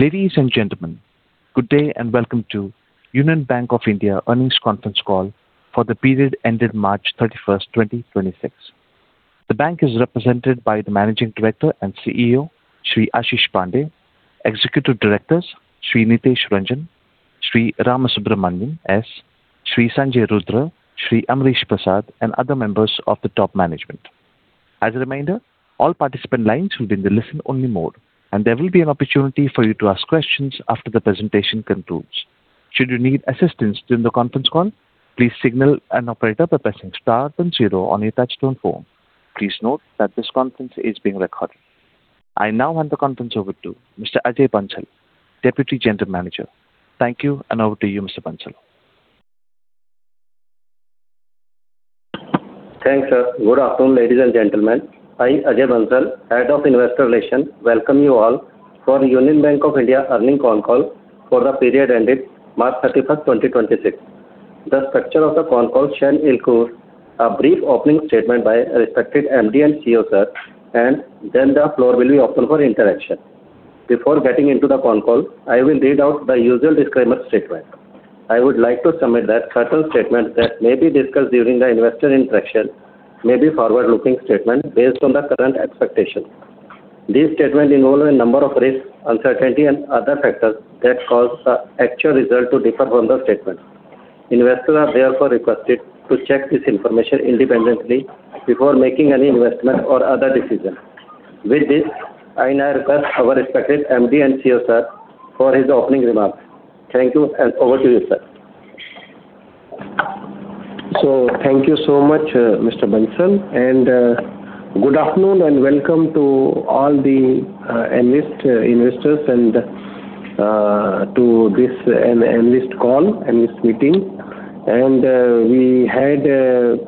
Ladies and gentlemen, good day and welcome to Union Bank of India earnings conference call for the period ending March 31st, 2026. The bank is represented by the Managing Director and CEO, Shri Asheesh Pandey, Executive Directors, Shri Nitesh Ranjan, Shri Ramasubramanian S., Shri Sanjay Rudra, Shri Amresh Prasad, and other members of the top management. As a reminder, all participant lines will be in the listen only mode, and there will be an opportunity for you to ask questions after the presentation concludes. Should you need assistance during the conference call, please signal an operator by pressing star then zero on your touchtone phone. Please note that this conference is being recorded. I now hand the conference over to Mr. Ajay Bansal, Deputy General Manager. Thank you, and over to you, Mr. Bansal. Thanks, sir. Good afternoon, ladies and gentlemen. I, Ajay Bansal, Head of Investor Relations, welcome you all for Union Bank of India earnings call for the period ending March 31st, 2026. The structure of the call shall include a brief opening statement by respected MD and CEO, sir, and then the floor will be open for interaction. Before getting into the call, I will read out the usual disclaimer statement. I would like to submit that certain statements that may be discussed during the investor interaction may be forward-looking statements based on the current expectations. These statements involve a number of risks, uncertainty, and other factors that cause the actual result to differ from the statement. Investors are therefore requested to check this information independently before making any investment or other decisions. With this, I now request our respected MD and CEO, sir, for his opening remarks. Thank you, and over to you, sir. Thank you so much, Mr. Bansal, and good afternoon and welcome to all the analyst investors and to this analyst call, analyst meeting. We had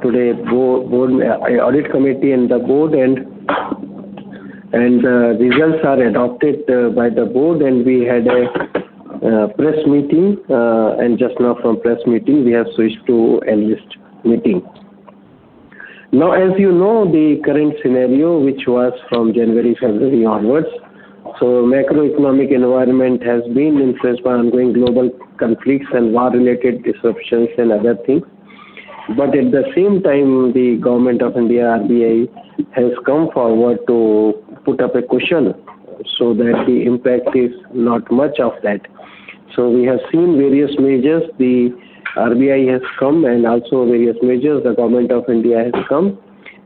today audit committee and the board, and results are adopted by the board, and we had a press meeting. Just now from press meeting, we have switched to analyst meeting. Now, as you know, the current scenario, which was from January, February onwards, so macroeconomic environment has been influenced by ongoing global conflicts and war-related disruptions and other things. At the same time, the Government of India, RBI, has come forward to put up a cushion so that the impact is not much of that. We have seen various measures the RBI has come and also various measures the Government of India has come,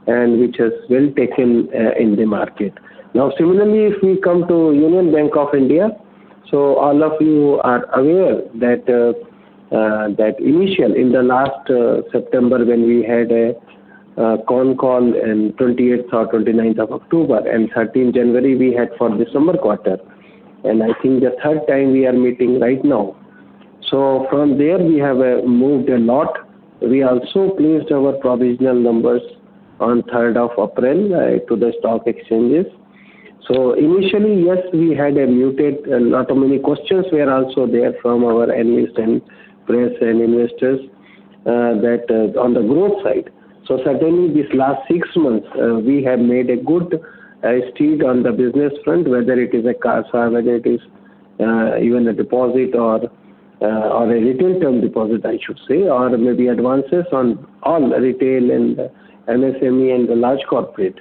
and which has well taken in the market. Now, similarly, if we come to Union Bank of India, all of you are aware that initially in last September, when we had a call and 28th or 29th of October and 13th January, we had for December quarter. I think the third time we are meeting right now. From there, we have moved a lot. We also placed our provisional numbers on 3rd of April to the stock exchanges. Initially, yes, we had a muted, not too many questions were also there from our analysts and press and investors on the growth side. Certainly, this last six months, we have made a good stride on the business front, whether it is a CASA, whether it is even a deposit or a retail term deposit, I should say, or maybe advances on all retail and MSME and the large corporate.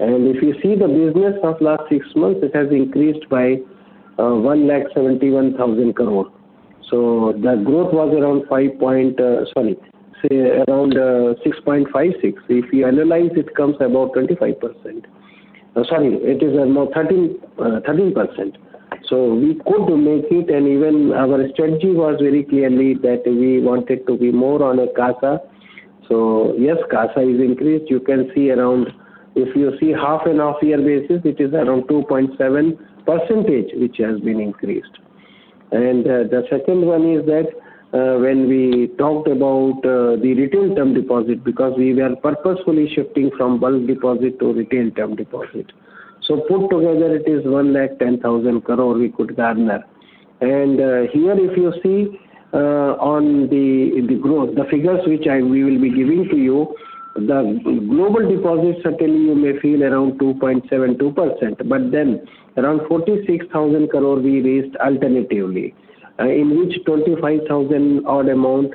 If you see the business of last six months, it has increased by 1,71,000 crore. The growth was around 6.56%. If you analyze, it comes about 25%. Sorry, it is about 13%. We could make it, and even our strategy was very clearly that we wanted to be more on a CASA. Yes, CASA is increased. If you see half year-on-year basis, it is around 2.7%, which has been increased. The second one is that, when we talked about the retail term deposit, because we were purposefully shifting from bulk deposit to retail term deposit. Put together it is 1,10,000 crore we could garner. Here, if you see on the growth, the figures which we will be giving to you, the global deposits certainly you may feel around 2.72%, but then around 46,000 crore we raised alternatively. In which 25,000-odd amount,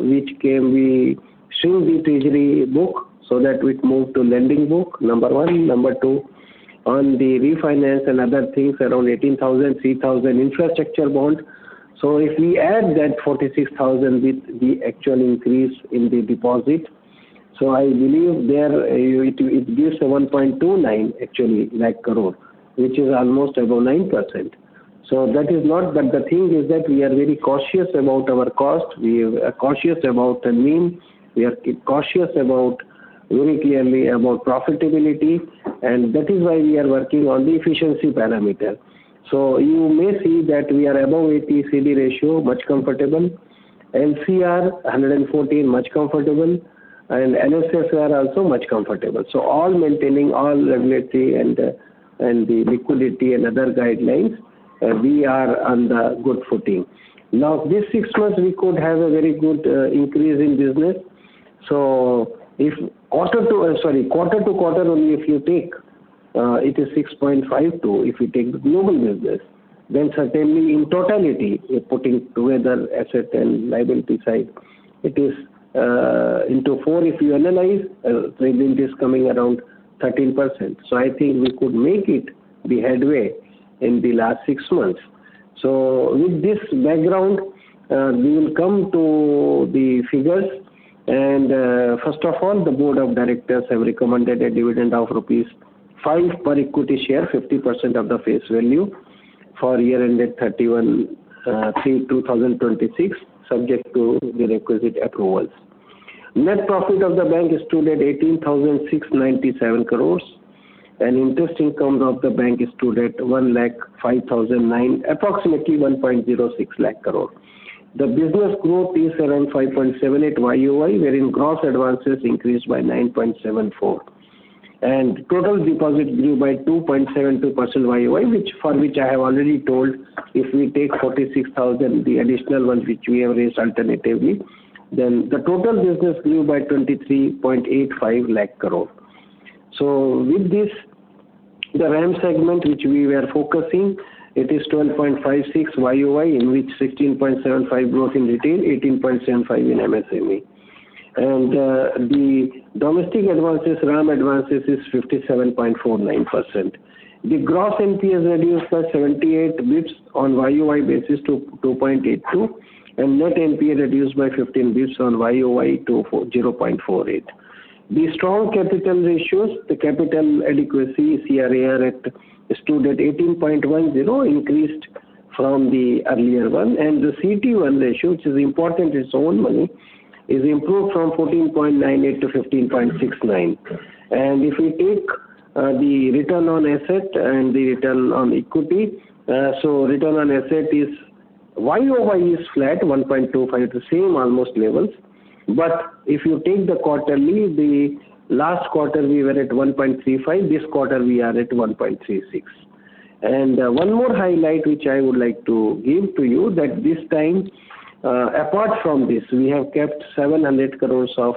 which came, we shrunk the treasury book so that it moved to lending book, number one. Number two, on the refinance and other things, around 18,000 crore, 3,000 crore infrastructure bond. If we add that 46,000 with the actual increase in the deposit, I believe there it gives a 1.29 lakh crore, which is almost above 9%. The thing is that we are very cautious about our cost. We are cautious about the means. We are cautious about, very clearly, about profitability, and that is why we are working on the efficiency parameter. You may see that we are above ATCD ratio, much comfortable. LCR, 114, much comfortable. NSFR also much comfortable. All maintaining all regulatory and the liquidity and other guidelines. We are on the good footing. Now, this six months we could have a very good increase in business. If quarter to quarter only if you take, it is 6.52. If you take the global business, then certainly in totality, we're putting together asset and liability side, it is 4. If you analyze, I think it is coming around 13%. I think we could make it the headway in the last six months. With this background, we will come to the figures. First of all, the board of directors have recommended a dividend of rupees 5 per equity share, 50% of the face value for the year ended March 31, 2026, subject to the requisite approvals. Net profit of the bank stood at 18,697 crore and interest income of the bank stood at approximately 1.06 lakh crore. The business growth is around 5.78% YoY, wherein gross advances increased by 9.74%. Total deposit grew by 2.72% YoY, for which I have already told, if we take 46,000, the additional one which we have raised alternatively, then the total business grew by 23.85 lakh crore. With this, the RAM segment which we were focusing, it is 12.56% YoY, in which 16.75% growth in retail, 18.75% in MSME. The domestic advances, RAM advances is 57.49%. The gross NPA reduced by 78 basis points on YoY basis to 2.82%, and net NPA reduced by 15 basis points on YoY to 0.48%. The strong capital ratios, the capital adequacy CRAR stood at 18.10%, increased from the earlier one. The CT1 ratio, which is important, its own money, is improved from 14.98% to 15.69%. If we take the return on asset and the return on equity, so return on asset is YoY is flat 1.25%, at the same almost levels. If you take the quarterly, the last quarter we were at 1.35%, this quarter we are at 1.36%. One more highlight, which I would like to give to you that this time, apart from this, we have kept 700 crores of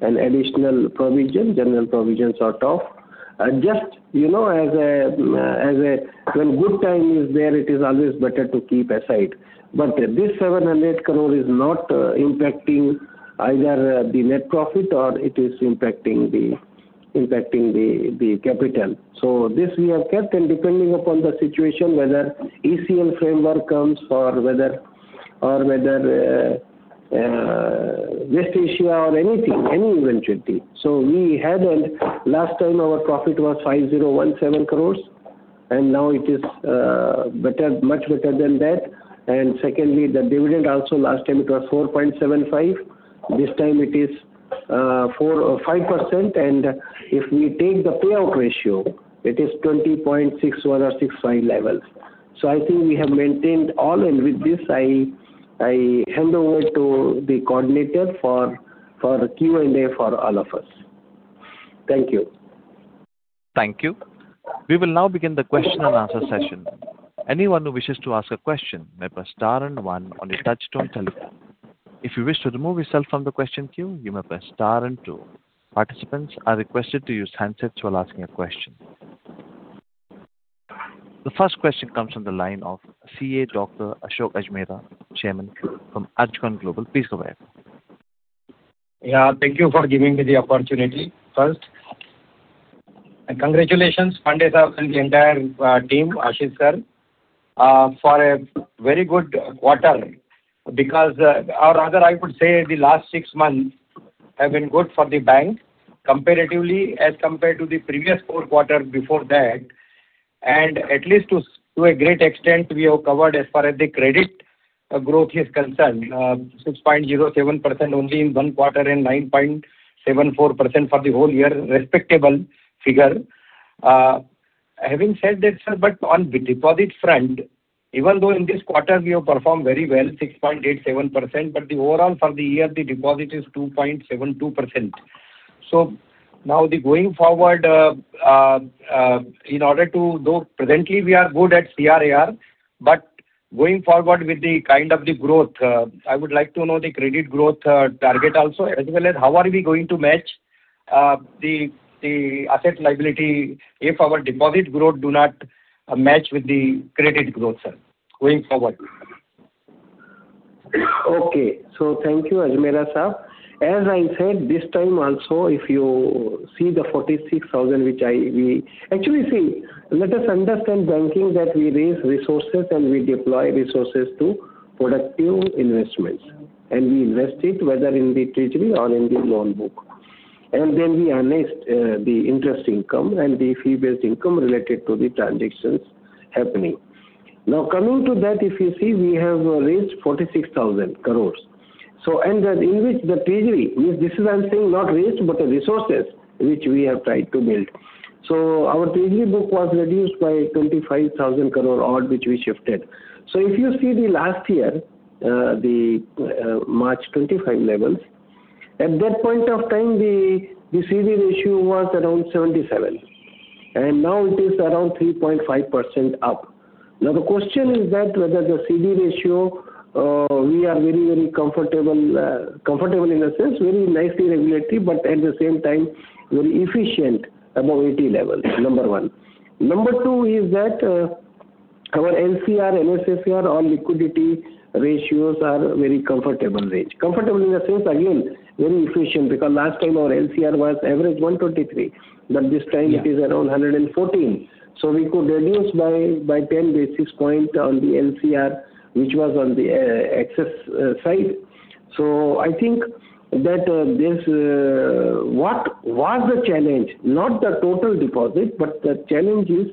an additional provision, general provision sort of, just as a when good time is there, it is always better to keep aside. This 700 crore is not impacting either the net profit or it is impacting the capital. This we have kept and depending upon the situation whether ECL framework comes or whether this issue or anything, any eventuality. We haven't, last time our profit was 5,017 crores and now it is much better than that. Secondly, the dividend also last time it was 4.75, this time it is 5%. If we take the payout ratio, it is 20.61% or 65% levels. I think we have maintained all, and with this, I hand over to the coordinator for the Q&A for all of us. Thank you. Thank you. We will now begin the question and answer session. Anyone who wishes to ask a question may press star and one on your touchtone telephone. If you wish to remove yourself from the question queue, you may press star and two. Participants are requested to use handsets while asking a question. The first question comes from the line of CA Dr. Ashok Ajmera, Chairman from Ajcon Global. Please go ahead. Yeah, thank you for giving me the opportunity. First, congratulations, Asheesh Pandey and the entire team, Asheesh sir, for a very good quarter. Because or rather I could say the last six months have been good for the bank comparatively as compared to the previous four quarter before that, and at least to a great extent we have covered as far as the credit growth is concerned, 6.07% only in one quarter and 9.74% for the whole year, respectable figure. Having said that, sir, but on the deposit front, even though in this quarter we have performed very well, 6.87%, but the overall for the year, the deposit is 2.72%. Now going forward, though presently we are good at CRAR, but going forward with the kind of the growth, I would like to know the credit growth target also, as well as how are we going to match the asset liability if our deposit growth do not match with the credit growth, sir, going forward? Okay. Thank you, Ajmera sir. As I said, this time also, if you see the 46,000. Actually, see, let us understand banking, that we raise resources and we deploy resources to productive investments, and we invest it whether in the treasury or in the loan book. Then we earn the interest income and the fee-based income related to the transactions happening. Now coming to that, if you see, we have raised 46,000 crores. In which the treasury, this is I'm saying not raised, but the resources which we have tried to build. Our treasury book was reduced by 25,000 crore odd, which we shifted. If you see the last year, the March 2025 levels, at that point of time, the CD ratio was around 77%. Now it is around 3.5% up. The question is that whether the CD ratio we are very, very comfortable. Comfortable in the sense, very nicely regulated, but at the same time, very efficient above 80% level. Number one. Number two is that our LCR, NSFR, all liquidity ratios are very comfortable range. Comfortable in the sense, again, very efficient because last time our LCR was average 123%, but this time it is around 114%. We could reduce by 10 basis points on the LCR, which was on the excess side. I think what was the challenge, not the total deposit, but the challenge is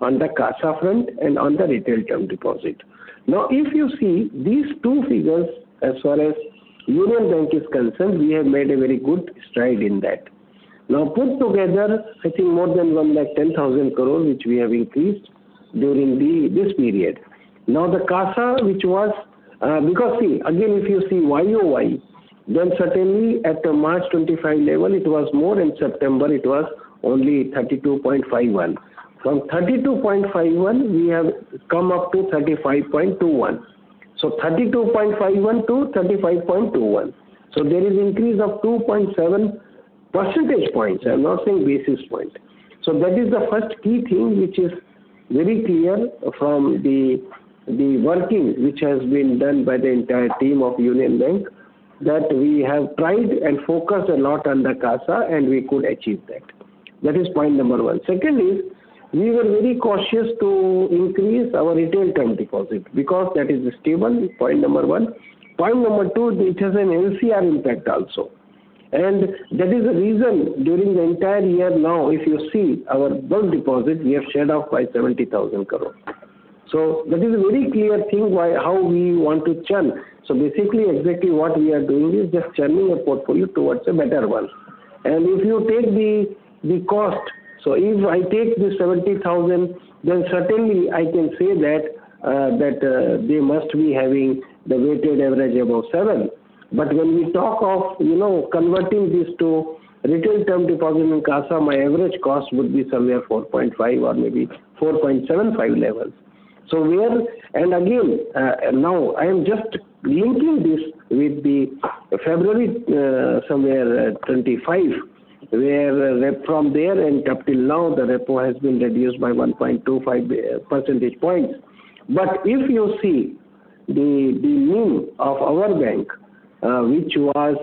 on the CASA front and on the retail term deposit. If you see these two figures, as far as Union Bank is concerned, we have made a very good stride in that. Put together, I think more than 110,000 crore, which we have increased during this period. Now the CASA, which was. Because see, again, if you see YoY, then certainly after March 2025 level, it was more. In September, it was only 32.51%. From 32.51%, we have come up to 35.21%. 32.51% to 35.21%. There is increase of 2.7 percentage points. I'm not saying basis point. That is the first key thing which is very clear from the working which has been done by the entire team of Union Bank, that we have tried and focused a lot on the CASA and we could achieve that. That is point number one. Secondly, we were very cautious to increase our retail term deposit because that is stable, point number one. Point number two, it has an LCR impact also. That is the reason during the entire year now, if you see our bulk deposit, we have shed off 570,000 crore. That is a very clear thing how we want to churn. Basically exactly what we are doing is just churning a portfolio towards a better one. If you take the cost, so if I take this 70,000, then certainly I can say that they must be having the weighted average above 7%. When we talk of converting this to retail term deposit in CASA, my average cost would be somewhere 4.5% or maybe 4.75% level. Again, now I am just linking this with the February somewhere at 25, where from there and up till now, the repo has been reduced by 1.25 percentage points. If you see the NIM of our bank, which was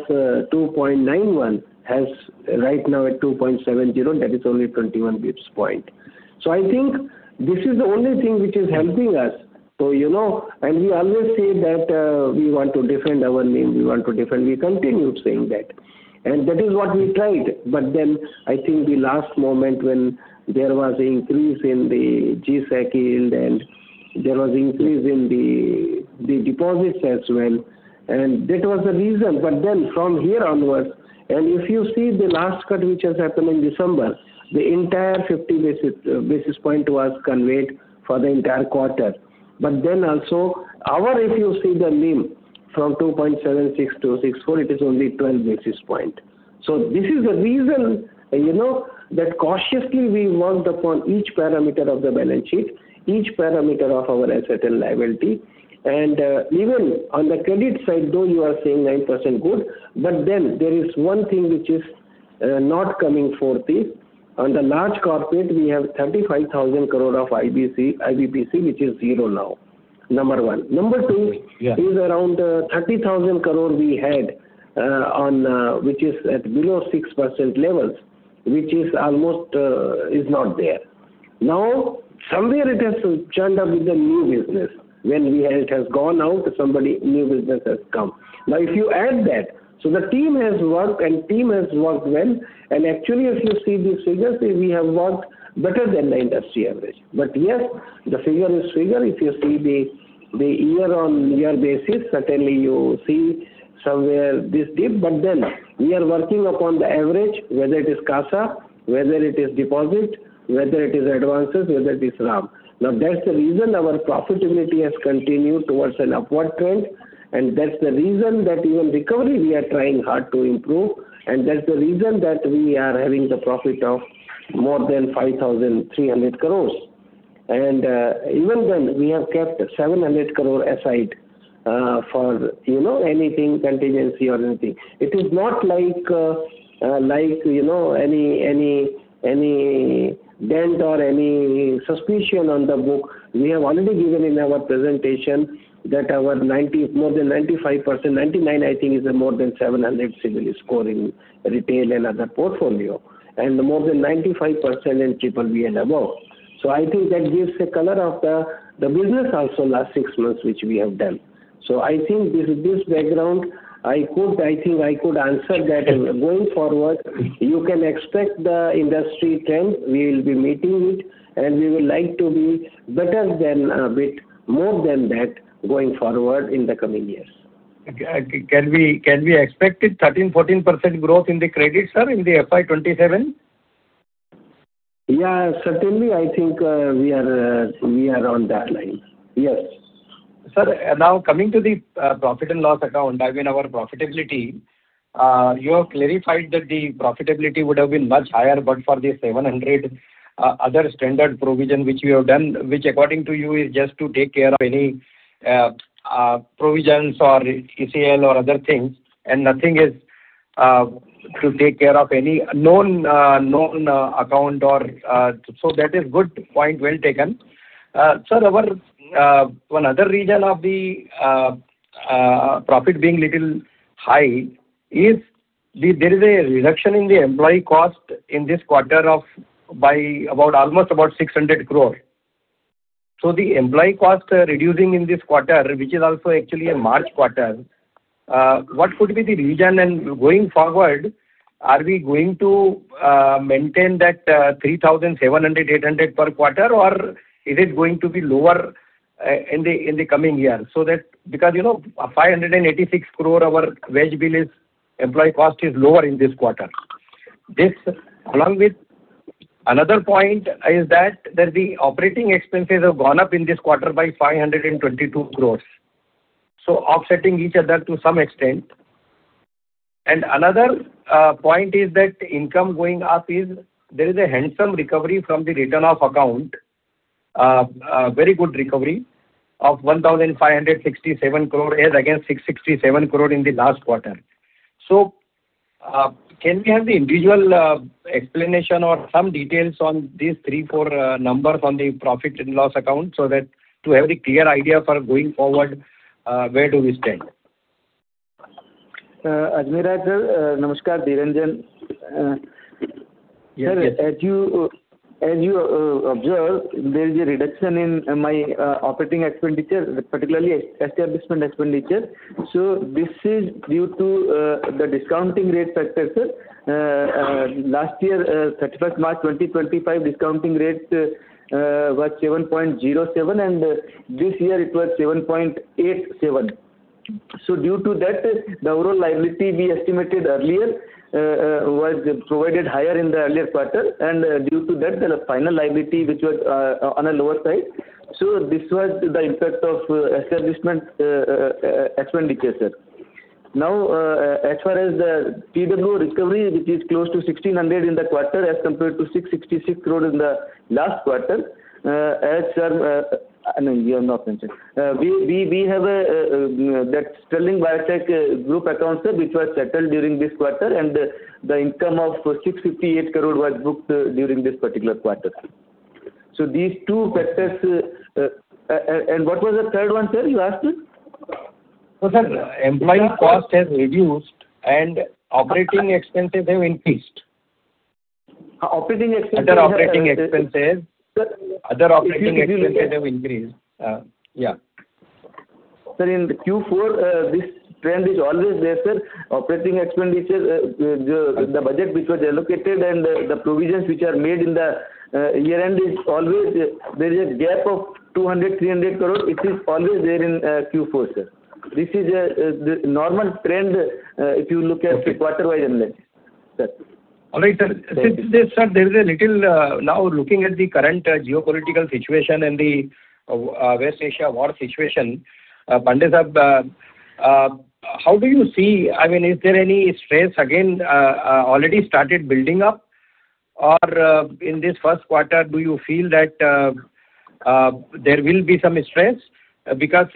2.91%, has right now at 2.70%, that is only 21 basis points. I think this is the only thing which is helping us. We always say that we want to defend our NIM. We continue saying that. That is what we tried. I think the last moment when there was increase in the G-Sec yield and there was increase in the deposits as well, and that was the reason. From here onwards, and if you see the last cut, which has happened in December, the entire 50 basis point was conveyed for the entire quarter. Also our, if you see the NIM from 2.76% to 3.64%, it is only 12 basis point. This is the reason, that cautiously we worked upon each parameter of the balance sheet, each parameter of our asset and liability. Even on the credit side, though you are saying 9% good, but then there is one thing which is not coming forth is on the large corporate, we have 75,000 crore of IBPC, which is zero now. Number one. Number two- Yes It is around 30,000 crore we had, which is at below 6% levels, which is almost not there. Somewhere it has churned up with the new business. When it has gone out, some new business has come. If you add that, the team has worked well, and actually, if you see the figures, we have worked better than the industry average. Yes, the figure is figure. If you see the year-on-year basis, certainly you see somewhere this dip, but we are working upon the average, whether it is CASA, whether it is deposit, whether it is advances, whether it is RAM. That's the reason our profitability has continued towards an upward trend, and that's the reason that even recovery, we are trying hard to improve, and that's the reason that we are having the profit of more than 5,300 crores. Even then, we have kept 700 crore aside for any contingency or anything. It is not like any dent or any suspicion on the books. We have already given in our presentation that our more than 95%, 99 I think is more than 700 CIBIL scoring retail and other portfolio, and more than 95% in triple B and above. I think that gives a color of the business also last six months, which we have done. I think this background, I think I could answer that going forward. You can expect the industry trend. We will be meeting it, and we will like to be better than a bit more than that going forward in the coming years. Can we expect it 13%-14% growth in the credit, sir, in the FY 2027? Yeah. Certainly, I think we are on that line. Yes. Sir, now coming to the profit and loss account. Our profitability, you have clarified that the profitability would have been much higher but for the 700 crore other standard provision which we have done, which according to you is just to take care of any provisions or ECL or other things, and nothing is to take care of any known account. That is good point, well taken. Sir, one other reason of the profit being little high is there is a reduction in the employee cost in this quarter of by about almost 600 crore. The employee cost reducing in this quarter, which is also actually a March quarter. What could be the reason, and going forward, are we going to maintain that 3,700 crore, 3,800 crore per quarter, or is it going to be lower in the coming year? Because 586 crore our wage bill is employee cost is lower in this quarter. This, along with another point, is that that the operating expenses have gone up in this quarter by 522 crores. Offsetting each other to some extent. Another point is that income going up is there is a handsome recovery from the written-off account. A very good recovery of 1,567 crore as against 667 crore in the last quarter. Can we have the individual explanation or some details on these three, four numbers on the profit and loss account so that to have a clear idea for going forward, where do we stand? Ajmera sir. Namaskar, Ni Ranjan. Yes. Sir, as you observe, there is a reduction in my operating expenditure, particularly establishment expenditure. This is due to the discounting rate factor, sir. Last year, 31st March 2025, discounting rate was 7.07, and this year it was 7.87. Due to that, the overall liability we estimated earlier was provided higher in the earlier quarter, and due to that, there was final liability which was on a lower side. This was the impact of establishment expenditure, sir. Now, as far as the PW recovery, which is close to 1,600 in the quarter, as compared to 666 crore in the last quarter. No, you have not mentioned. We have that Sterling Biotech group accounts which was settled during this quarter, and the income of 658 crore was booked during this particular quarter. These two factors. What was the third one, sir? You asked me. Sir, employee cost has reduced and operating expenses have increased. Operating expenses. Other operating expenses. Sir. Other operating expenses have increased. Yeah. Sir, in the Q4, this trend is always there, sir. Operating expenditures, the budget which was allocated and the provisions which are made in the year-end, there is a gap of 200 crore-300 crore. It is always there in Q4, sir. This is the normal trend, if you look at it quarter-wise only, sir. All right, sir. Sir, now looking at the current geopolitical situation and the West Asia war situation, Asheesh Pandey sir, how do you see, is there any stress again already started building up? Or in this first quarter, do you feel that there will be some stress? Because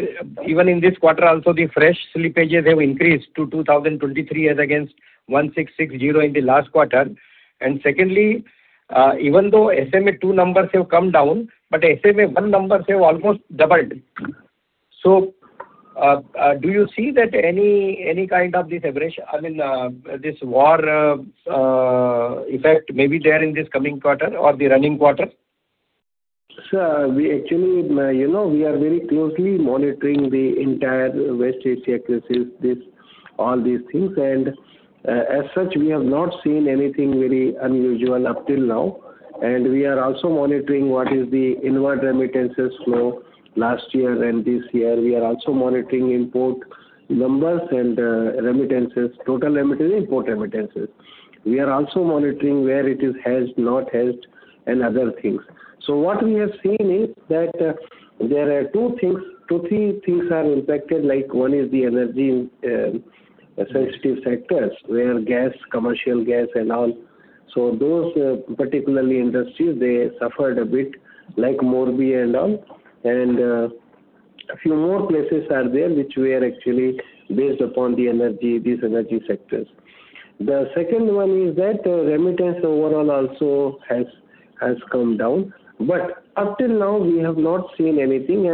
even in this quarter also, the fresh slippages have increased to 2,023 as against 1,660 in the last quarter. Secondly, even though SMA-2 numbers have come down, but SMA-1 numbers have almost doubled. Do you see that any kind of this aggression, this war effect may be there in this coming quarter or the running quarter? Sir, actually, we are very closely monitoring the entire West Asia crisis, all these things. As such, we have not seen anything very unusual up till now. We are also monitoring what is the inward remittances flow last year and this year. We are also monitoring import numbers and remittances, total remittances, import remittances. We are also monitoring where it has helped, not helped, and other things. What we have seen is that there are two things. Two, three things are impacted, like one is the energy sensitive sectors, where gas, commercial gas and all. Those particular industries, they suffered a bit, like Morbi and all. A few more places are there which were actually based upon these energy sectors. The second one is that remittance overall also has come down. Up till now, we have not seen anything.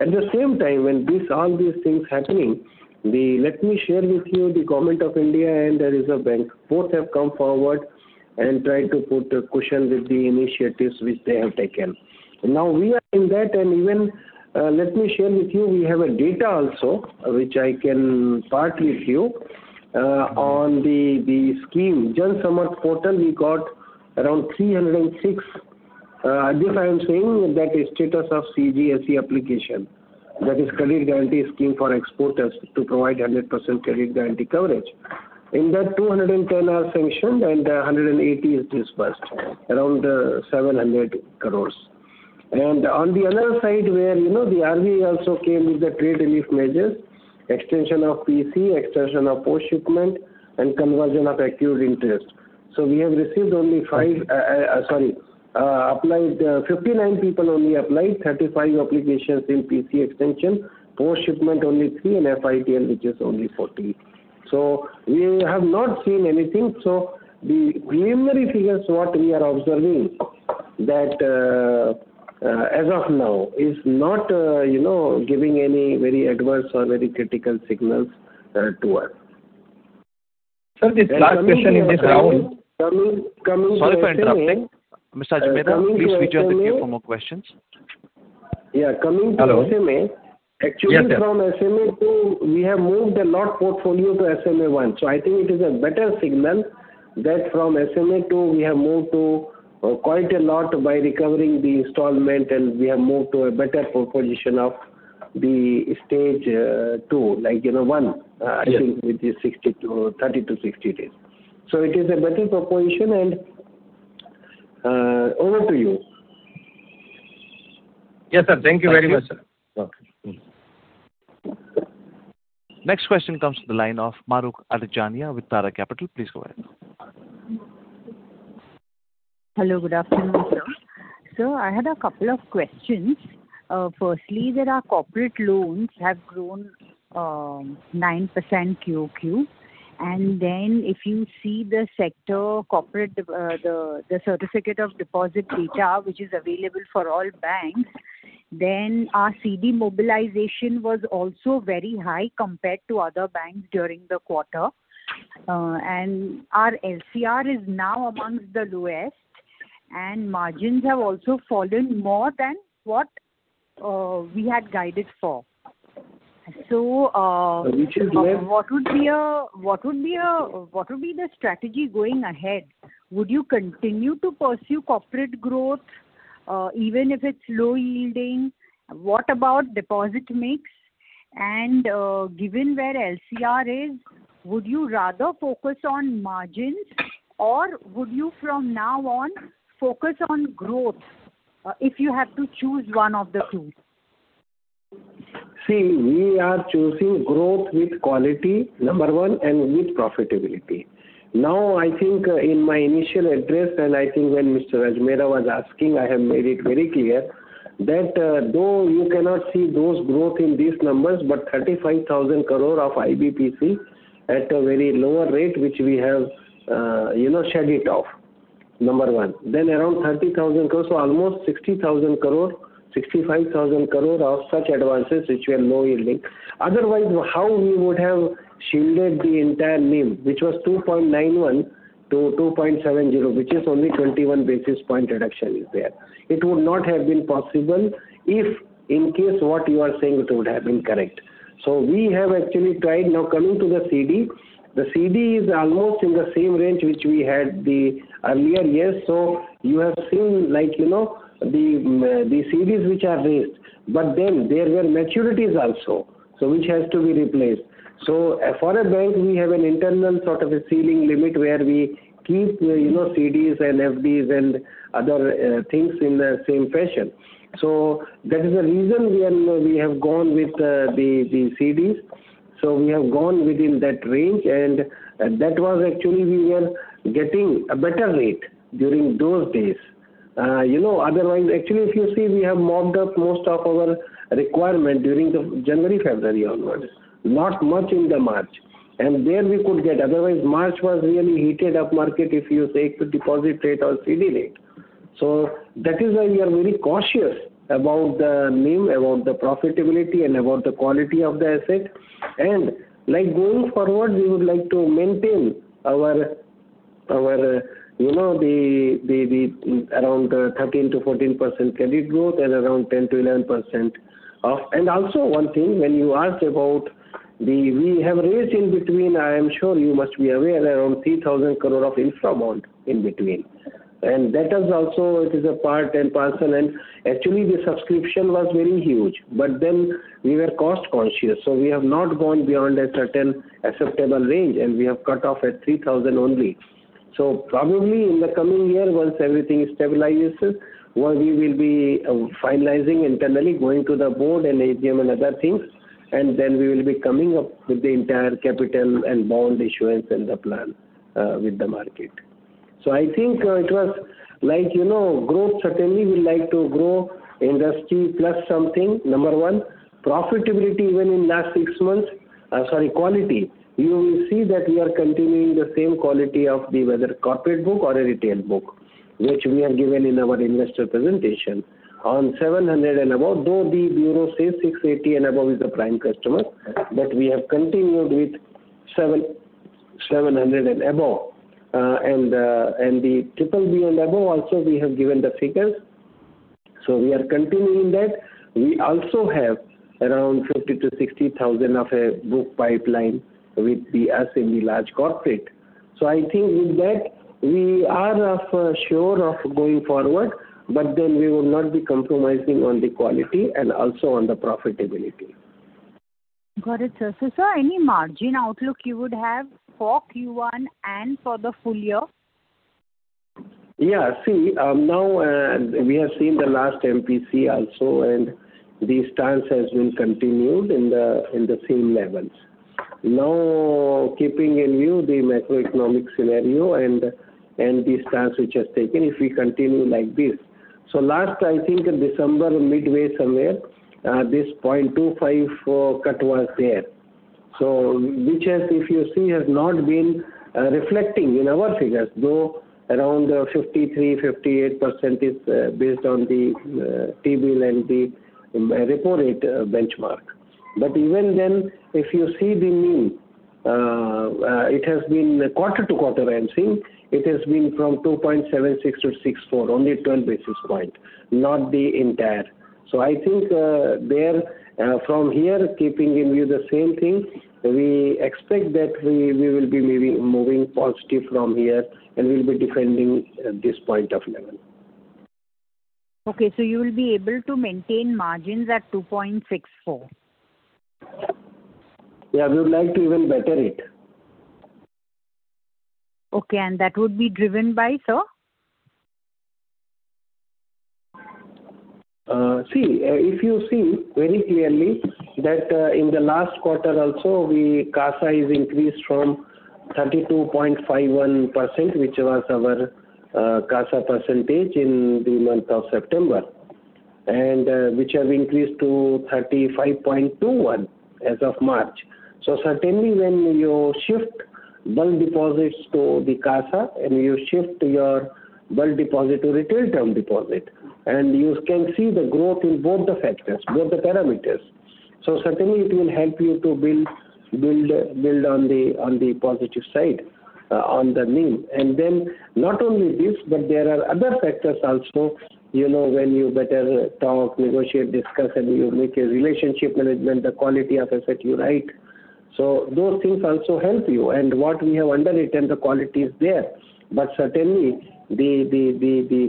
At the same time, when all these things happening, let me share with you the Government of India and Reserve Bank, both have come forward and tried to put a cushion with the initiatives which they have taken. Now we are in that, and even let me share with you, we have a data also, which I can share with you. On the scheme, Jan Samarth Portal, we got around 306. This I am saying that status of CGSE application. That is Credit Guarantee Scheme for Exporters to provide 100% credit guarantee coverage. In that, 210 are sanctioned and 180 is disbursed, around 700 crore. On the other side, where the RBI also came with the trade relief measures, extension of PC, extension of post shipment, and conversion of accrued interest. We have received only five. 59 people only applied, 35 applications in PC extension, post shipment only three, and FITL, which is only 14. We have not seen anything. The preliminary figures, what we are observing, that as of now is not giving any very adverse or very critical signals to us. Sir, the last question in this round. Coming to SMA- Sorry for interrupting, Mr. Ashok Ajmera. Please feel free to ask a few more questions. Yeah. Coming to SMA. Hello. Yes, sir. Actually, from SMA-2, we have moved a lot portfolio to SMA-1. I think it is a better signal that from SMA-2, we have moved to quite a lot by recovering the installment, and we have moved to a better proportion of the stage 2, like 1, I think, which is 30-60 days. It is a better proportion and over to you. Yes, sir. Thank you very much, sir. Okay. Next question comes from the line of Mahrukh Adajania with Tara Capital. Please go ahead. Hello. Good afternoon, sir. Sir, I had a couple of questions. Firstly, that our corporate loans have grown 9% QoQ, and then if you see the sector, corporate, the certificate of deposit data, which is available for all banks, then our CD mobilization was also very high compared to other banks during the quarter. Our LCR is now among the lowest, and margins have also fallen more than what we had guided for. Which is where. What would be the strategy going ahead? Would you continue to pursue corporate growth even if it's low yielding? What about deposit mix? Given where LCR is, would you rather focus on margins or would you, from now on, focus on growth if you had to choose one of the two? See, we are choosing growth with quality, number one, and with profitability. I think in my initial address, and I think when Mr. Ajmera was asking, I have made it very clear that though you cannot see those growth in these numbers, but 35,000 crore of IBPC at a very lower rate, which we have shed it off. Number one. Then around 30,000 crore. Almost 60,000 crore, 65,000 crore of such advances, which were low yielding. Otherwise, how we would have shielded the entire NIM, which was 2.91%-2.70%, which is only 21 basis point reduction is there. It would not have been possible if in case what you are saying would have been correct. We have actually tried. Coming to the CD. The CD is almost in the same range which we had the earlier years. You have seen the CDs which are raised, but then there were maturities also, so which has to be replaced. For a bank, we have an internal sort of a ceiling limit where we keep CDs and FDs and other things in the same fashion. That is the reason we have gone with the CDs. We have gone within that range, and that was actually we were getting a better rate during those days. Otherwise, actually, if you see, we have mopped up most of our requirement during January, February onwards, not much in March. There we could get. Otherwise, March was really heated-up market, if you take the deposit rate or CD rate. That is why we are very cautious about the NIM, about the profitability, and about the quality of the asset. Going forward, we would like to maintain our around 13%-14% credit growth and around 10%-11% of. Also one thing, when you ask about the, we have raised in between, I am sure you must be aware, around 3,000 crore of infra bond in between. That is also, it is a part and parcel and actually the subscription was very huge, but then we were cost conscious, so we have not gone beyond a certain acceptable range, and we have cut off at 3,000 only. Probably in the coming year, once everything stabilizes, we will be finalizing internally, going to the board and AGM and other things, and then we will be coming up with the entire capital and bond issuance and the plan with the market. I think it was like growth certainly we like to grow industry plus something. Number one. Quality. You will see that we are continuing the same quality of the, whether corporate book or a retail book, which we have given in our investor presentation on 700 and above, though the bureau says 680 and above is the prime customer, but we have continued with 700 and above. The triple B and above also, we have given the figures. We are continuing that. We also have around 50,000-60,000 of a book pipeline with the SME large corporate. I think with that we are sure of going forward, but we will not be compromising on the quality and also on the profitability. Got it, sir. Sir, any margin outlook you would have for Q1 and for the full year? Yeah. Now, we have seen the last MPC also, and the stance has been continued in the same levels. Now, keeping in view the macroeconomic scenario and the stance which has taken, if we continue like this. Last, I think in December midway somewhere, this 0.25 cut was there. Which if you see, has not been reflecting in our figures, though around 53%-58% is based on the T-bill and the repo rate benchmark. Even then, if you see the NIM, it has been quarter-over-quarter. I am seeing it has been from 2.76 to 2.64, only 10 basis point, not the entire. I think from here, keeping in view the same thing, we expect that we will be maybe moving positive from here and we'll be defending this point of level. Okay. You will be able to maintain margins at 2.64%? Yeah. We would like to even better it. Okay. That would be driven by, sir? If you see very clearly that in the last quarter also, CASA is increased from 32.51%, which was our CASA percentage in the month of September, and which has increased to 35.21% as of March. Certainly when you shift bulk deposits to the CASA and you shift your bulk deposit to retail term deposit, and you can see the growth in both the factors, both the parameters. Certainly it will help you to build on the positive side on the NIM. Not only this, but there are other factors also. When you better talk, negotiate, discuss, and you make a relationship management, the quality asset you write. Those things also help you. What we have underwritten the quality is there, but certainly the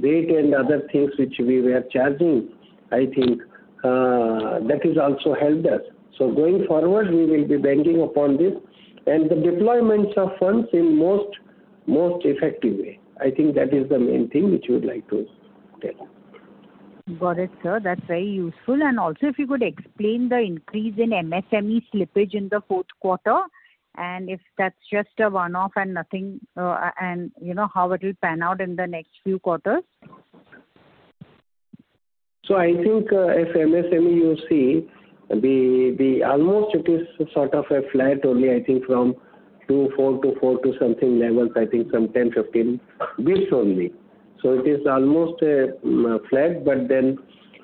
rate and other things which we were charging, I think that has also helped us. Going forward, we will be banking upon this and the deployments of funds in most effective way. I think that is the main thing which we would like to tell. Got it, sir. That's very useful. Also if you could explain the increase in MSME slippage in the fourth quarter, and if that's just a one-off and nothing, and how it will pan out in the next few quarters? I think if MSME you see, almost it is sort of a flat only I think from 2.4% to 4.2% something levels, I think some 10, 15 basis points only. It is almost flat, but then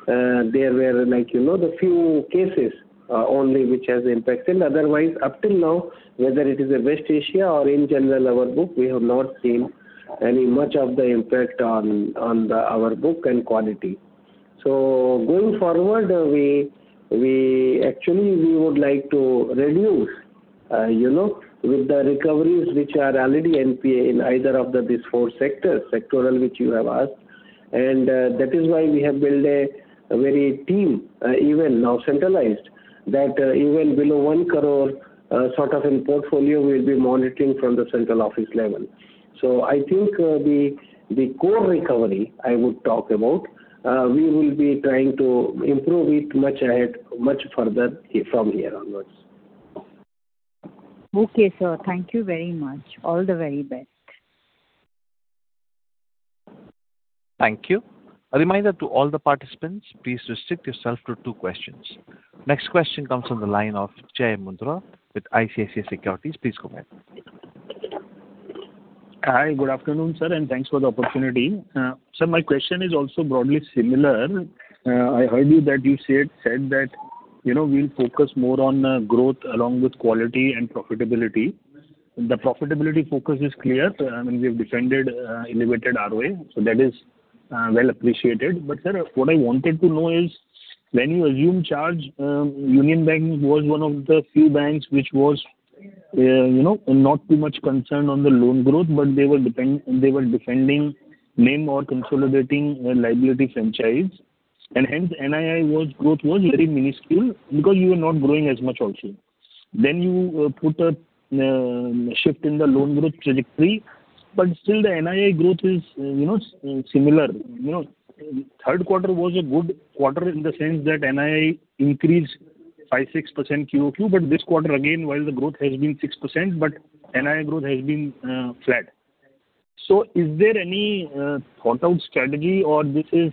there were the few cases only which has impacted. Otherwise, up till now, whether it is West Asia or in general our book, we have not seen any much of the impact on our book and quality. Going forward, actually, we would like to reduce with the recoveries which are already NPA in either of these four sectors, sectoral which you have asked, and that is why we have built a very team even now centralized that even below 1 crore sort of in portfolio we'll be monitoring from the central office level. I think the core recovery I would talk about, we will be trying to improve it much further from here onwards. Okay, sir. Thank you very much. All the very best. Thank you. A reminder to all the participants, please restrict yourself to two questions. Next question comes from the line of Jai Mundra with ICICI Securities. Please go ahead. Hi. Good afternoon, sir, and thanks for the opportunity. Sir, my question is also broadly similar. I heard you that you said that we'll focus more on growth along with quality and profitability. The profitability focus is clear, and we've defended elevated ROA, so that is well appreciated. Sir, what I wanted to know is when you assume charge, Union Bank was one of the few banks which was not too much concerned on the loan growth, but they were defending NIM or consolidating a liability franchise and hence NII growth was very minuscule because you were not growing as much also. Then you put a shift in the loan growth trajectory, still the NII growth is similar. Third quarter was a good quarter in the sense that NII increased 5-6% QoQ. This quarter again, while the growth has been 6% but NII growth has been flat. Is there any thought out strategy or this is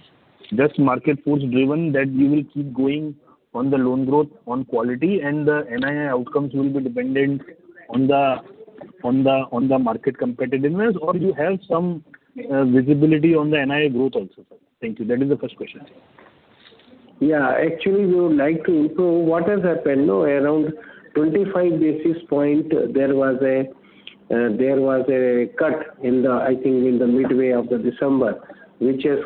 just market force driven that you will keep going on the loan growth on quality and the NII outcomes will be dependent on the market competitiveness? You have some visibility on the NII growth also, sir? Thank you. That is the first question. Yeah. Actually we would like to improve what has happened around 25 basis points. There was a cut I think in the midway of December which has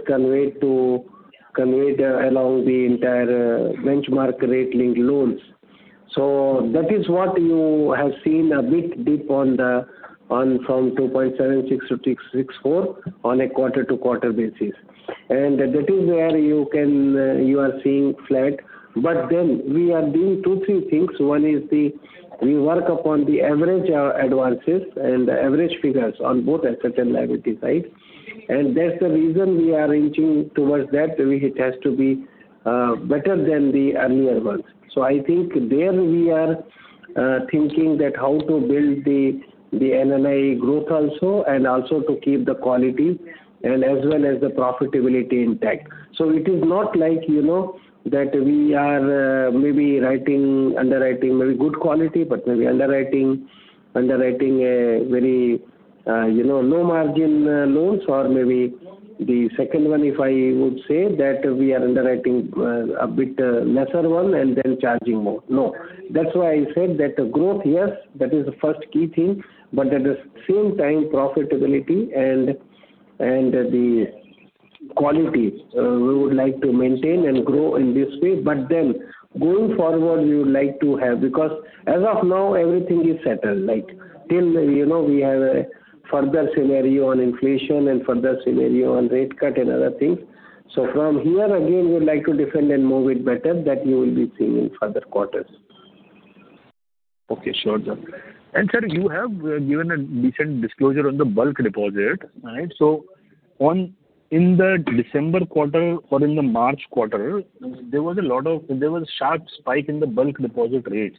conveyed along the entire benchmark rate linked loans. That is what you have seen a bit dip from 2.76 to 3.64 on a quarter-to-quarter basis. That is where you are seeing flat. We are doing two, three things. One is we work upon the average advances and the average figures on both asset and liability side. That's the reason we are reaching towards that. It has to be better than the earlier ones. I think there we are thinking that how to build the NII growth also and also to keep the quality and as well as the profitability intact. It is not like that we are maybe underwriting very good quality but maybe underwriting very low margin loans or maybe the second one, if I would say, that we are underwriting a bit lesser one and then charging more. No. That's why I said that growth, yes, that is the first key thing. At the same time, profitability and the quality, we would like to maintain and grow in this way. Going forward, we would like to have, because as of now, everything is settled. Till we have a further scenario on inflation and further scenario on rate cut and other things. From here, again, we would like to defend and move it better that you will be seeing in further quarters. Okay. Sure, sir. Sir, you have given a decent disclosure on the bulk deposit. In the December quarter or in the March quarter, there was a sharp spike in the bulk deposit rates.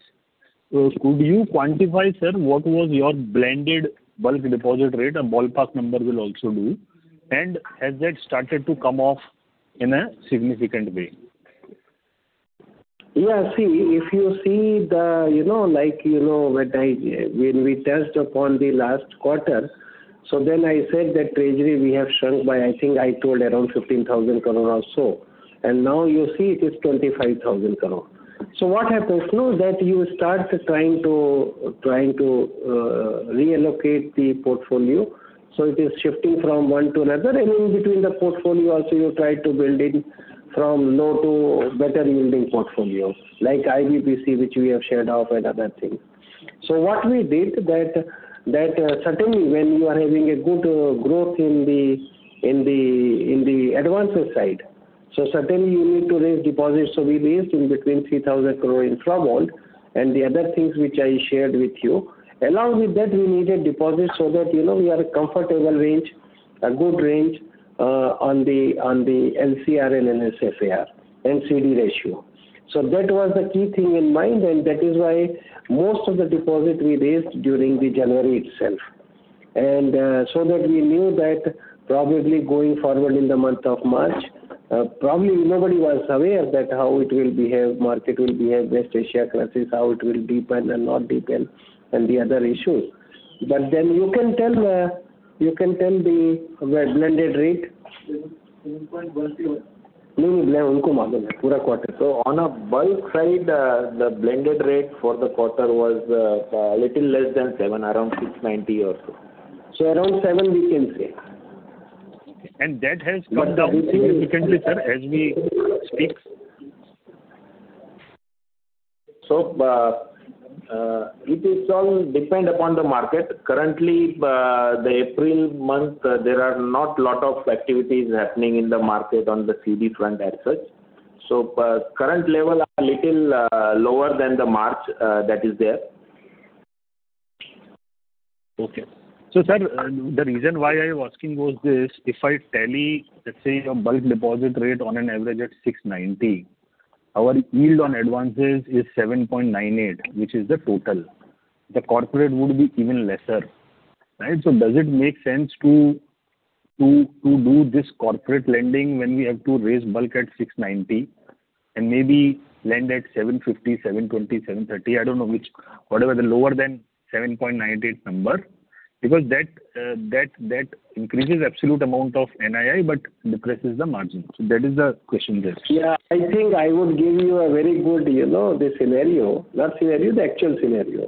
Could you quantify, sir, what was your blended bulk deposit rate? A ballpark number will also do. Has that started to come off in a significant way? Yeah. If you see when we touched upon the last quarter, so then I said that treasury we have shrunk by, I think I told around 15,000 crore or so. Now you see it is 25,000 crore. What happens now that you start trying to reallocate the portfolio, so it is shifting from one to another, and in between the portfolio also, you try to build it from low to better yielding portfolio, like IBPC, which we have sold off and other things. What we did that certainly when you are having a good growth in the advances side, so certainly you need to raise deposits. We raised in between 3,000 crore in T-bills and the other things which I shared with you. Along with that, we needed deposits so that we are a comfortable range, a good range on the LCR and NSFR, CD ratio. That was the key thing in mind, and that is why most of the deposit we raised during the January itself. That we knew that probably going forward in the month of March, probably nobody was aware that how it will behave, market will behave, West Asia crisis, how it will deepen and not deepen, and the other issue. You can tell the blended rate. On a bulk side, the blended rate for the quarter was a little less than 7%, around 6.90% or so. Around 7%, we can say. That has come down significantly, sir, as we speak? It is all depend upon the market. Currently, the April month, there are not lot of activities happening in the market on the CD front as such. Current level are little lower than the March that is there. Okay. Sir, the reason why I was asking was this, if I tally, let's say your bulk deposit rate on an average at 6.90%, our yield on advances is 7.98%, which is the total. The corporate would be even lesser, right? Does it make sense to do this corporate lending when we have to raise bulk at 6.90% and maybe lend at 7.50%, 7.20%, 7.30%? I don't know which, whatever the lower than 7.98% number because that increases absolute amount of NII but depresses the margin. That is the question there. Yeah. I think I would give you the actual scenario.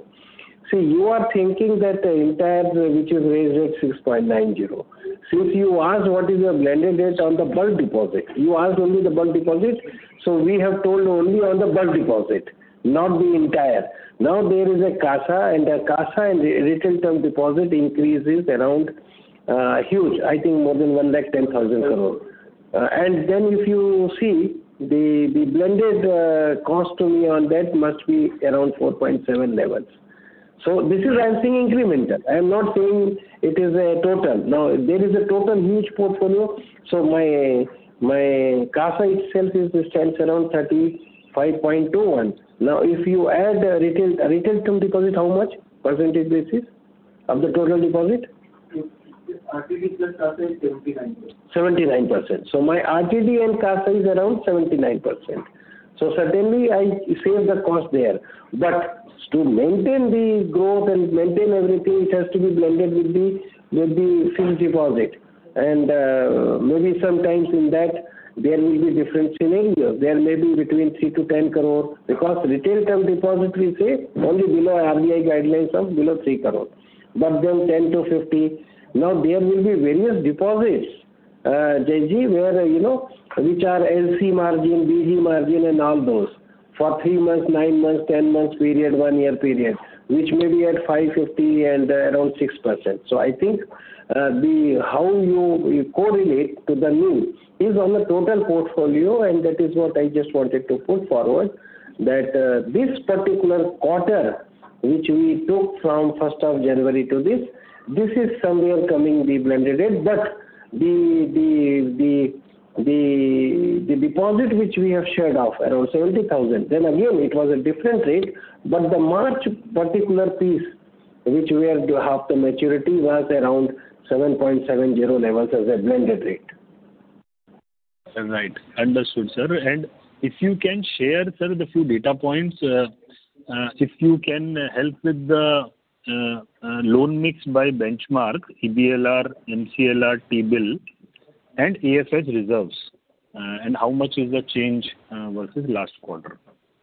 See, you are thinking that the entire which is raised at 6.90%. Since you asked what is your blended rate on the bulk deposit, you asked only the bulk deposit, so we have told only on the bulk deposit, not the entire. Now there is a CASA, and the CASA and retail term deposit increase is a huge, I think more than 110,000 crore. If you see the blended cost to me on that must be around 4.7%. This is I'm seeing incremental. I am not saying it is a total. Now, there is a total huge portfolio. My CASA itself stands around 35.21%. If you add retail term deposit, how much percentage basis of the total deposit? RTD plus CASA is 79%. 79%. My RTD and CASA is around 79%. Certainly I save the cost there. To maintain the growth and maintain everything, it has to be blended with the fixed deposit. Maybe sometimes in that there will be different scenarios. There may be between 3 crore-10 crore because retail term deposit we say only below RBI guidelines of below 3 crore. Then 10 crore-50 crore. Now there will be various deposits, Jai Mundra, which are LC margin, BD margin and all those for three months, nine months, 10 months period, one year period, which may be at 5.50% and around 6%. I think how you correlate to the NIM is on the total portfolio, and that is what I just wanted to put forward, that this particular quarter, which we took from 1st of January to this is somewhere coming the blended rate. The deposit which we have shared of around 70,000, then again, it was a different rate, but the March particular piece, which we have to have the maturity was around 7.70 levels as a blended rate. Right. Understood, sir. If you can share, sir, the few data points, if you can help with the loan mix by benchmark, EBLR, MCLR, T-bill and AFS reserves, and how much is the change versus last quarter?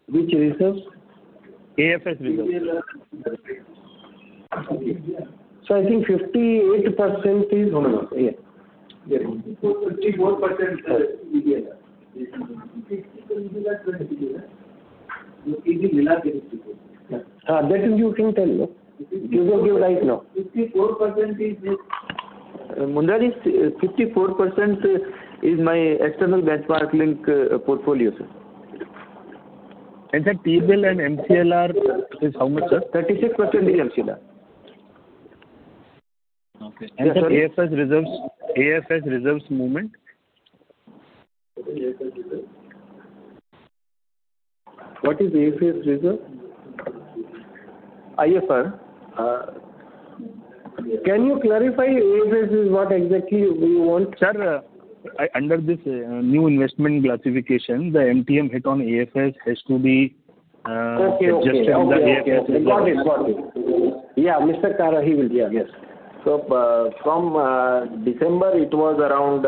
Which reserves? AFS reserves. I think 58% is No. Yes. It is 54%. That you can tell. Give or take right now. 54% is this. Mundra, 54% is my external benchmark link portfolio, sir. Sir, T-bill and MCLR is how much, sir? 36% is MCLR. Okay. AFS reserves movement? AFS reserves. What is AFS reserve? IFR. Can you clarify AFS is what exactly you want? Sir, under this new investment classification, the MTM hit on AFS has to be- Okay -adjusted under AFS. Got it. Yeah. Mr. Kara, he will. Yeah. Yes. From December, it was around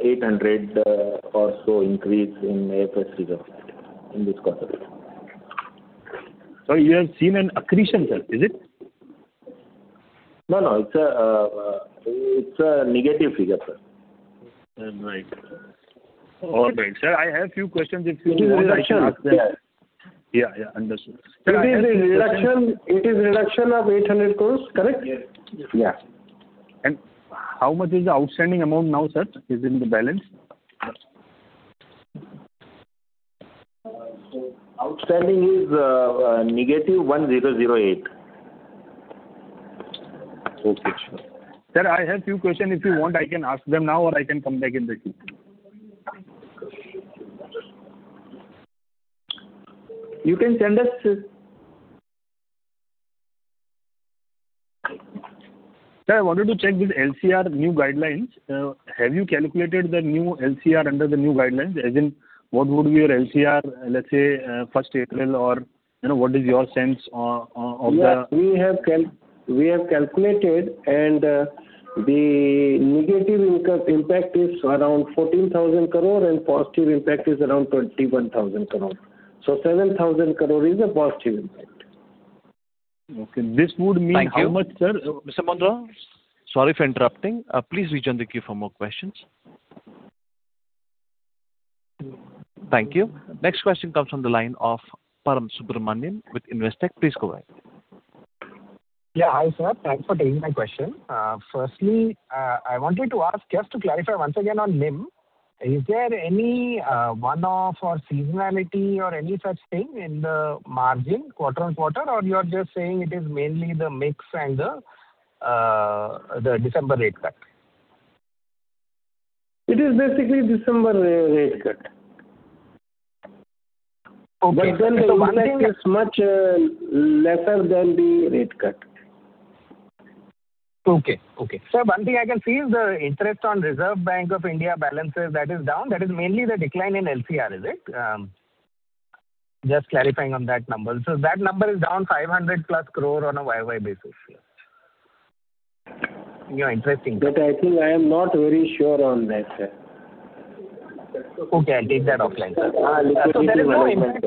800 or so increase in AFS reserves in this quarter. You have seen an accretion, sir, is it? No. It's a negative figure, sir. Right. All right. Sir, I have few questions. If you want, I can ask them. It is reduction. Yeah. Understood. It is reduction of 800 crores, correct? Yes. Yeah. How much is the outstanding amount now, sir, is in the balance? Outstanding is -1,008. Okay, sure. Sir, I have a few questions. If you want, I can ask them now or I can come back in the queue. You can send us. Sir, I wanted to check with LCR new guidelines. Have you calculated the new LCR under the new guidelines? As in what would be your LCR, let's say, 1st April, or what is your sense of the Yes. We have calculated and the negative impact is around 14,000 crore and positive impact is around 21,000 crore. 7,000 crore is a positive impact. Okay. This would mean. Thank you. How much, sir? Mr. Mundra? Sorry for interrupting. Please rejoin the queue for more questions. Thank you. Next question comes from the line of Param Subramanian with Investec. Please go ahead. Yeah. Hi, sir. Thanks for taking my question. Firstly, I wanted to ask just to clarify once again on NIM. Is there any one-off or seasonality or any such thing in the margin quarter-over-quarter, or you are just saying it is mainly the mix and the December rate cut? It is basically December rate cut. Okay. The impact is much lesser than the rate cut. Okay. Sir, one thing I can see is the interest on Reserve Bank of India balances that is down. That is mainly the decline in LCR, is it? Just clarifying on that number. That number is down 500+ crore on a YoY basis. Yeah, interesting. I think I am not very sure on that, sir. Okay. I'll take that offline, sir. Liquidity will not impact.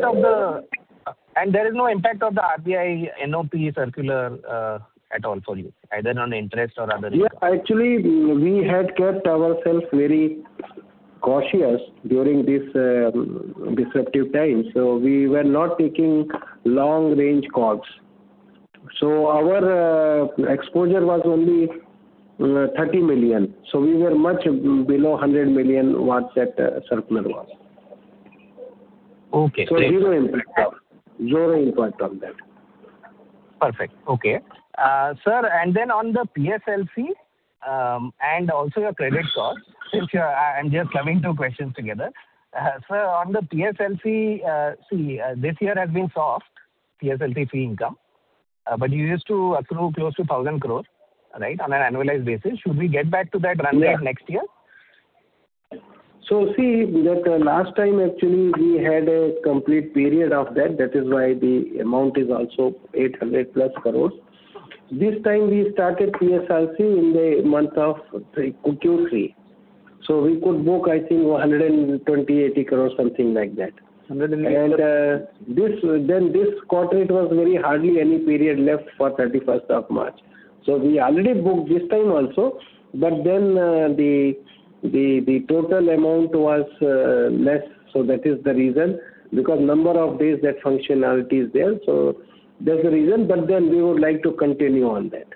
There is no impact of the RBI NOP circular at all for you, either on interest or other? Yeah. Actually, we had kept ourselves very cautious during this disruptive time. We were not taking long range calls. Our exposure was only 30 million. We were much below 100 million what that circular was. Okay. Zero impact on that. Perfect. Okay. Sir, on the PSLC, and also your credit cost, since I'm just clubbing two questions together. Sir, on the PSLC, see, this year has been soft, PSLC fee income. But you used to accrue close to 1,000 crores, right, on an annualized basis. Should we get back to that run next year? See, that last time, actually, we had a complete period of that. That is why the amount is also 800+ crore. This time we started PSLC in the month of Q3. We could book, I think, 1,280 crore, something like that. Hundred and- This quarter, it was very hardly any period left for 31st of March. We already booked this time also, but then the total amount was less. That is the reason, because number of days that functionality is there. That's the reason, but then we would like to continue on that.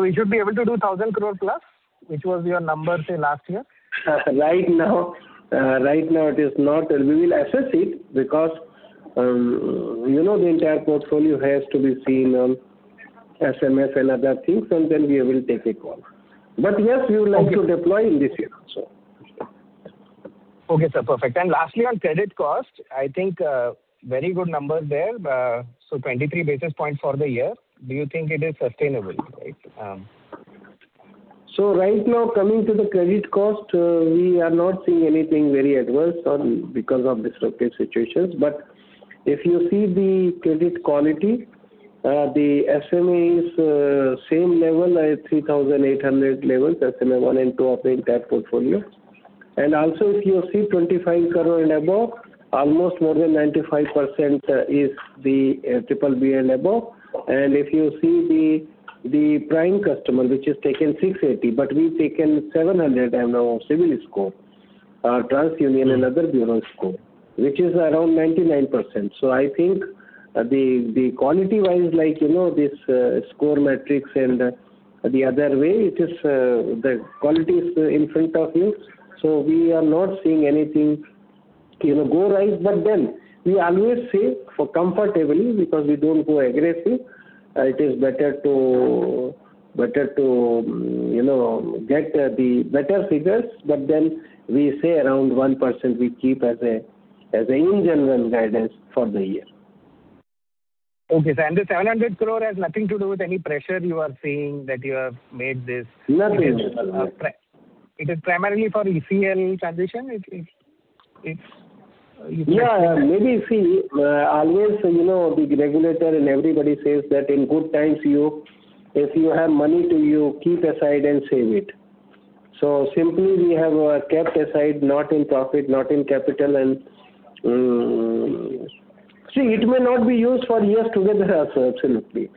We should be able to do 1,000 crore+, which was your number say last year? Right now it is not. We will assess it because the entire portfolio has to be seen on SMS and other things, and then we will take a call. Yes, we would like to deploy in this year also. Okay, sir. Perfect. Lastly, on credit cost, I think very good numbers there. 23 basis points for the year. Do you think it is sustainable, right? Right now coming to the credit cost, we are not seeing anything very adverse because of disruptive situations. If you see the credit quality, the SMA is same level as 3.8 levels, SMA-1 and 2 of the entire portfolio. If you see 25 crore and above, almost more than 95% is the BBB and above. If you see the prime customer, which has taken 680, but we've taken 700 CIBIL score, or TransUnion and other bureau score, which is around 99%. I think quality-wise, this score metrics and the other way, the quality is in front of you, we are not seeing anything go wrong. We always say for comfortably, because we don't go aggressive, it is better to get the better figures, but then we say around 1%, we keep as a in general guidance for the year. Okay, sir. The 700 crore has nothing to do with any pressure you are saying that you have made this. Nothing. It is primarily for ECL transition? Yeah. Maybe see, always the regulator and everybody says that in good times, if you have money to, you keep aside and save it. Simply we have kept aside, not in profit, not in capital. See, it may not be used for years together absolutely.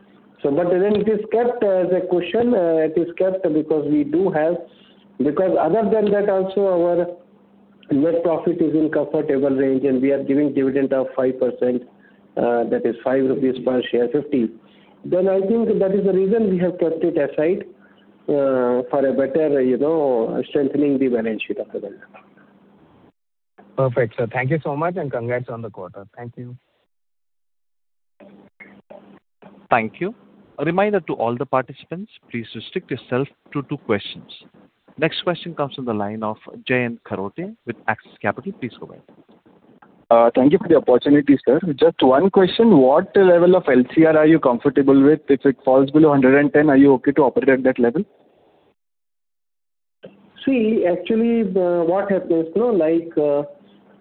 Then it is kept as a cushion, it is kept because we do have, because other than that also our net profit is in comfortable range and we are giving dividend of 5%, that is 5 rupees per share 50. I think that is the reason we have kept it aside, for a better strengthening the balance sheet of the bank. Perfect, sir. Thank you so much and congrats on the quarter. Thank you. Thank you. A reminder to all the participants, please restrict yourself to two questions. Next question comes from the line of Jayant Kharote with Axis Capital. Please go ahead. Thank you for the opportunity, sir. Just one question. What level of LCR are you comfortable with? If it falls below 110, are you okay to operate at that level? See, actually what happens.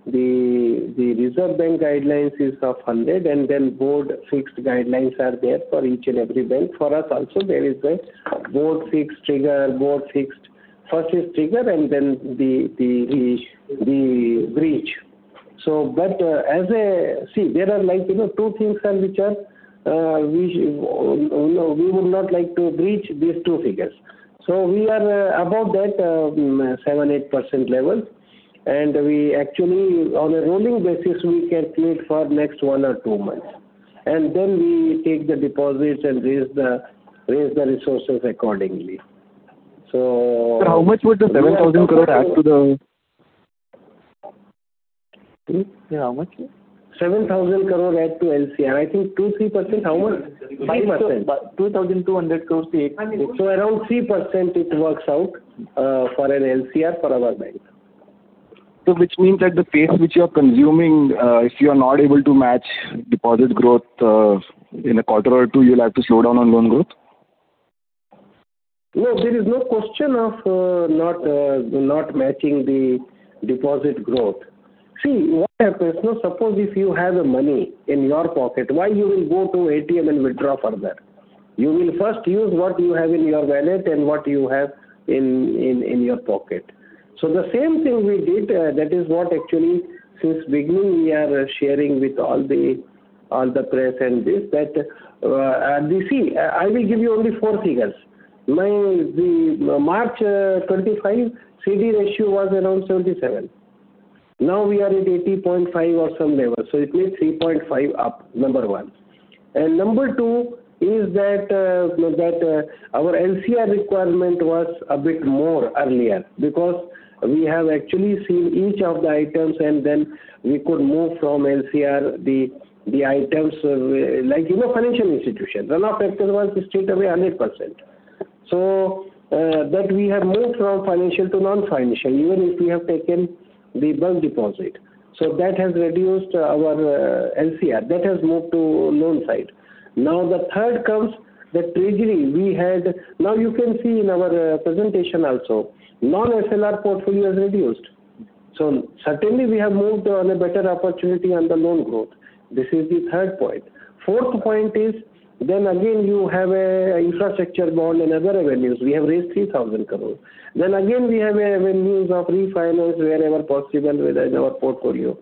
The Reserve Bank guidelines is of 100 and then board fixed guidelines are there for each and every bank. For us also, there is a board fixed trigger. First is trigger and then the breach. See, there are two things which we would not like to breach these two figures. We are above that, 7%-8% level. We actually, on a rolling basis, we calculate for next one or two months. Then we take the deposits and raise the resources accordingly. Sir, how much would the 7,000 crore add to the How much? 7,000 crore add to LCR. I think 2%-3%. How much? 5%. 2,200 crores. Around 3% it works out for an LCR for our bank. Which means at the pace which you are consuming, if you are not able to match deposit growth, in a quarter or two you'll have to slow down on loan growth? No, there is no question of not matching the deposit growth. See what happens. Suppose if you have money in your pocket, why you will go to ATM and withdraw further? You will first use what you have in your wallet and what you have in your pocket. The same thing we did, that is what actually since beginning we are sharing with all the press and this. See, I will give you only four figures. March 2025, CDR ratio was around 77%. Now we are at 80.5% or some level. So it means 3.5% up, number one. Number two is that our LCR requirement was a bit more earlier, because we have actually seen each of the items and then we could move from LCR the items, like financial institutions. Non-factor was straightaway 100%. We have moved from financial to non-financial, even if we have taken the bulk deposit. That has reduced our LCR. That has moved to loan side. Now the third comes the treasury. Now you can see in our presentation also, non-SLR portfolio has reduced. Certainly we have moved on a better opportunity on the loan growth. This is the third point. Fourth point is then again you have a infrastructure bond and other revenues. We have raised 3,000 crore. Then again we have a revenues of refinance wherever possible within our portfolio.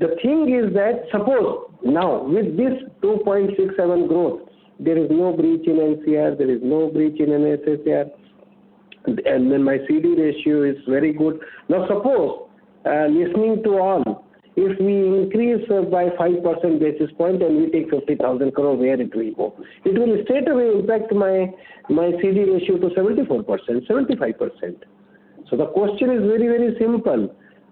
The thing is that suppose now with this 2.67% growth, there is no breach in LCR, there is no breach in NSFR, and then my CD ratio is very good. Now suppose, listening to all, if we increase by 50 basis points and we take 50,000 crore, where it will go? It will straight away impact my CD ratio to 74%-75%. The question is very simple,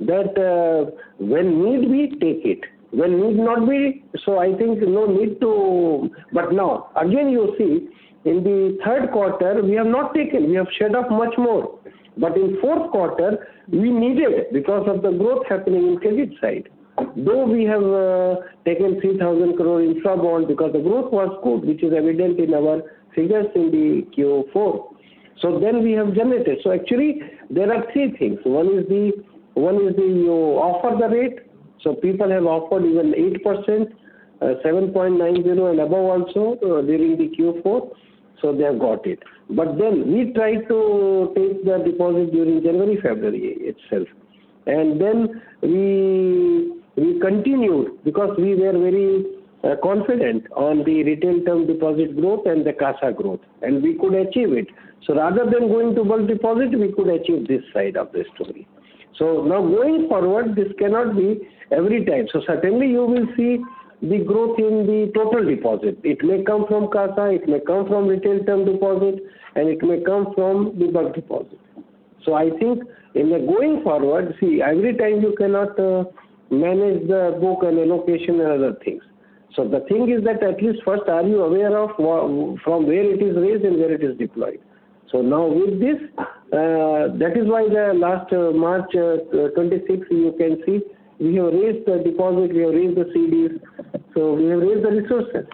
that when need be, take it. When need not be, I think no need to. Now, again, you see in the third quarter, we have not taken, we have shed off much more. In fourth quarter, we needed because of the growth happening in credit side. Though we have taken 3,000 crore infra bond because the growth was good, which is evident in our figures in the Q4. Then we have generated. Actually there are three things. One is the offered rate. People have offered even 8%, 7.90% and above also during the Q4, so they have got it. Then we tried to take the deposit during January, February itself. Then we continued because we were very confident on the retail term deposit growth and the CASA growth, and we could achieve it. Rather than going to bulk deposit, we could achieve this side of the story. Now going forward, this cannot be every time. Certainly, you will see the growth in the total deposit. It may come from CASA, it may come from retail term deposit, and it may come from the bulk deposit. I think in the going forward, see, every time you cannot manage the book and allocation and other things. The thing is that at least first, are you aware of from where it is raised and where it is deployed? Now with this, that is why the last March 26th, you can see we have raised the deposit, we have raised the CDs, so we have raised the resources.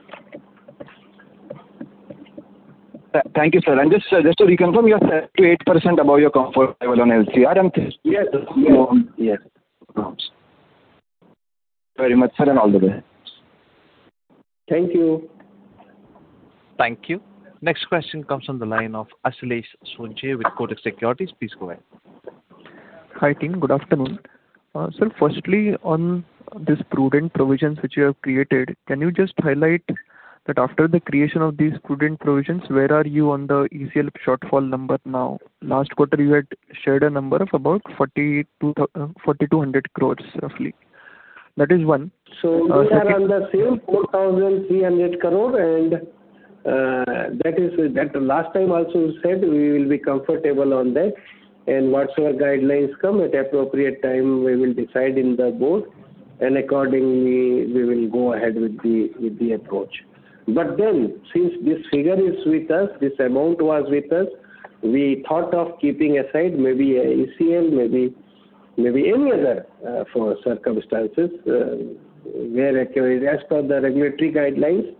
Thank you, sir. Just to reconfirm, you are 7%-8% above your comfort level on LCR and CSR. Yes. Yes. Thank you very much, sir, and all the best. Thank you. Thank you. Next question comes from the line of Ashlesh Sonje with Kotak Securities. Please go ahead. Hi, team. Good afternoon. Sir, firstly, on this prudent provisions which you have created, can you just highlight that after the creation of these prudent provisions, where are you on the ECL shortfall number now? Last quarter, you had shared a number of about 4,200 crores, roughly. That is one. We are on the same 4,300 crore, and that last time also we said we will be comfortable on that, and whatsoever guidelines come at appropriate time, we will decide in the Board, and accordingly, we will go ahead with the approach. Since this figure is with us, this amount was with us, we thought of keeping aside maybe a ECL, maybe any other for circumstances where as per the regulatory guidelines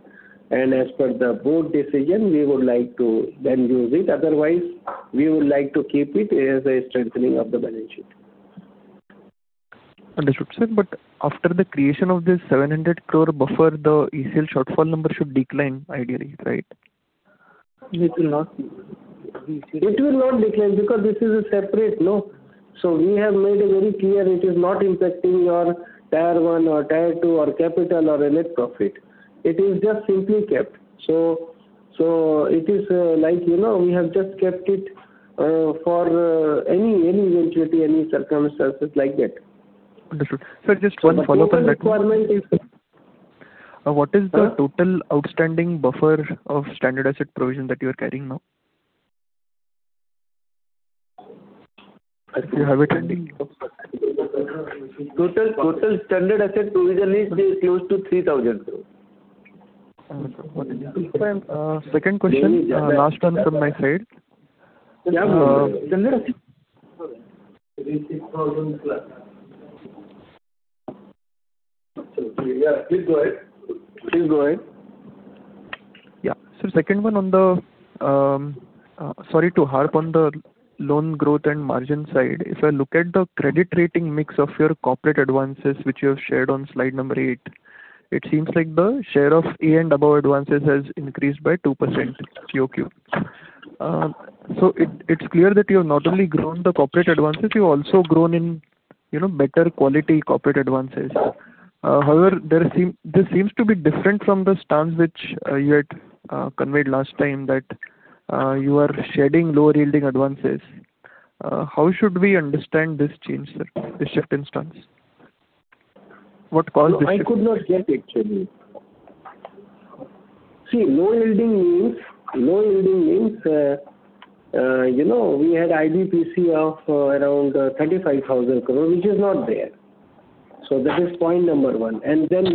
and as per the Board decision, we would like to then use it. Otherwise, we would like to keep it as a strengthening of the balance sheet. Understood, sir. After the creation of this 700 crore buffer, the ECL shortfall number should decline ideally, right? It will not decline because this is a separate law. We have made it very clear it is not impacting our Tier 1 or Tier 2 or capital or net profit. It is just simply kept. It is like we have just kept it for any eventuality, any circumstances like that. Understood. Sir, just one follow-up on that. No requirement is. What is the total outstanding buffer of standard asset provision that you are carrying now? Total standard asset provision is close to INR 3,000. Understood. Second question, last one from my side. Yeah. Please go ahead. Yeah. Sir, second one on the loan growth and margin side. If I look at the credit rating mix of your corporate advances, which you have shared on slide number eight, it seems like the share of A and above advances has increased by 2% QoQ. It's clear that you have not only grown the corporate advances, you also grown in better quality corporate advances. However, this seems to be different from the stance which you had conveyed last time that you are shedding low-yielding advances. How should we understand this change, sir? The shift in stance. What caused the shift? I could not get actually. See, low yielding means we had IBPC of around 35,000 crore, which is not there. That is point number one. Now when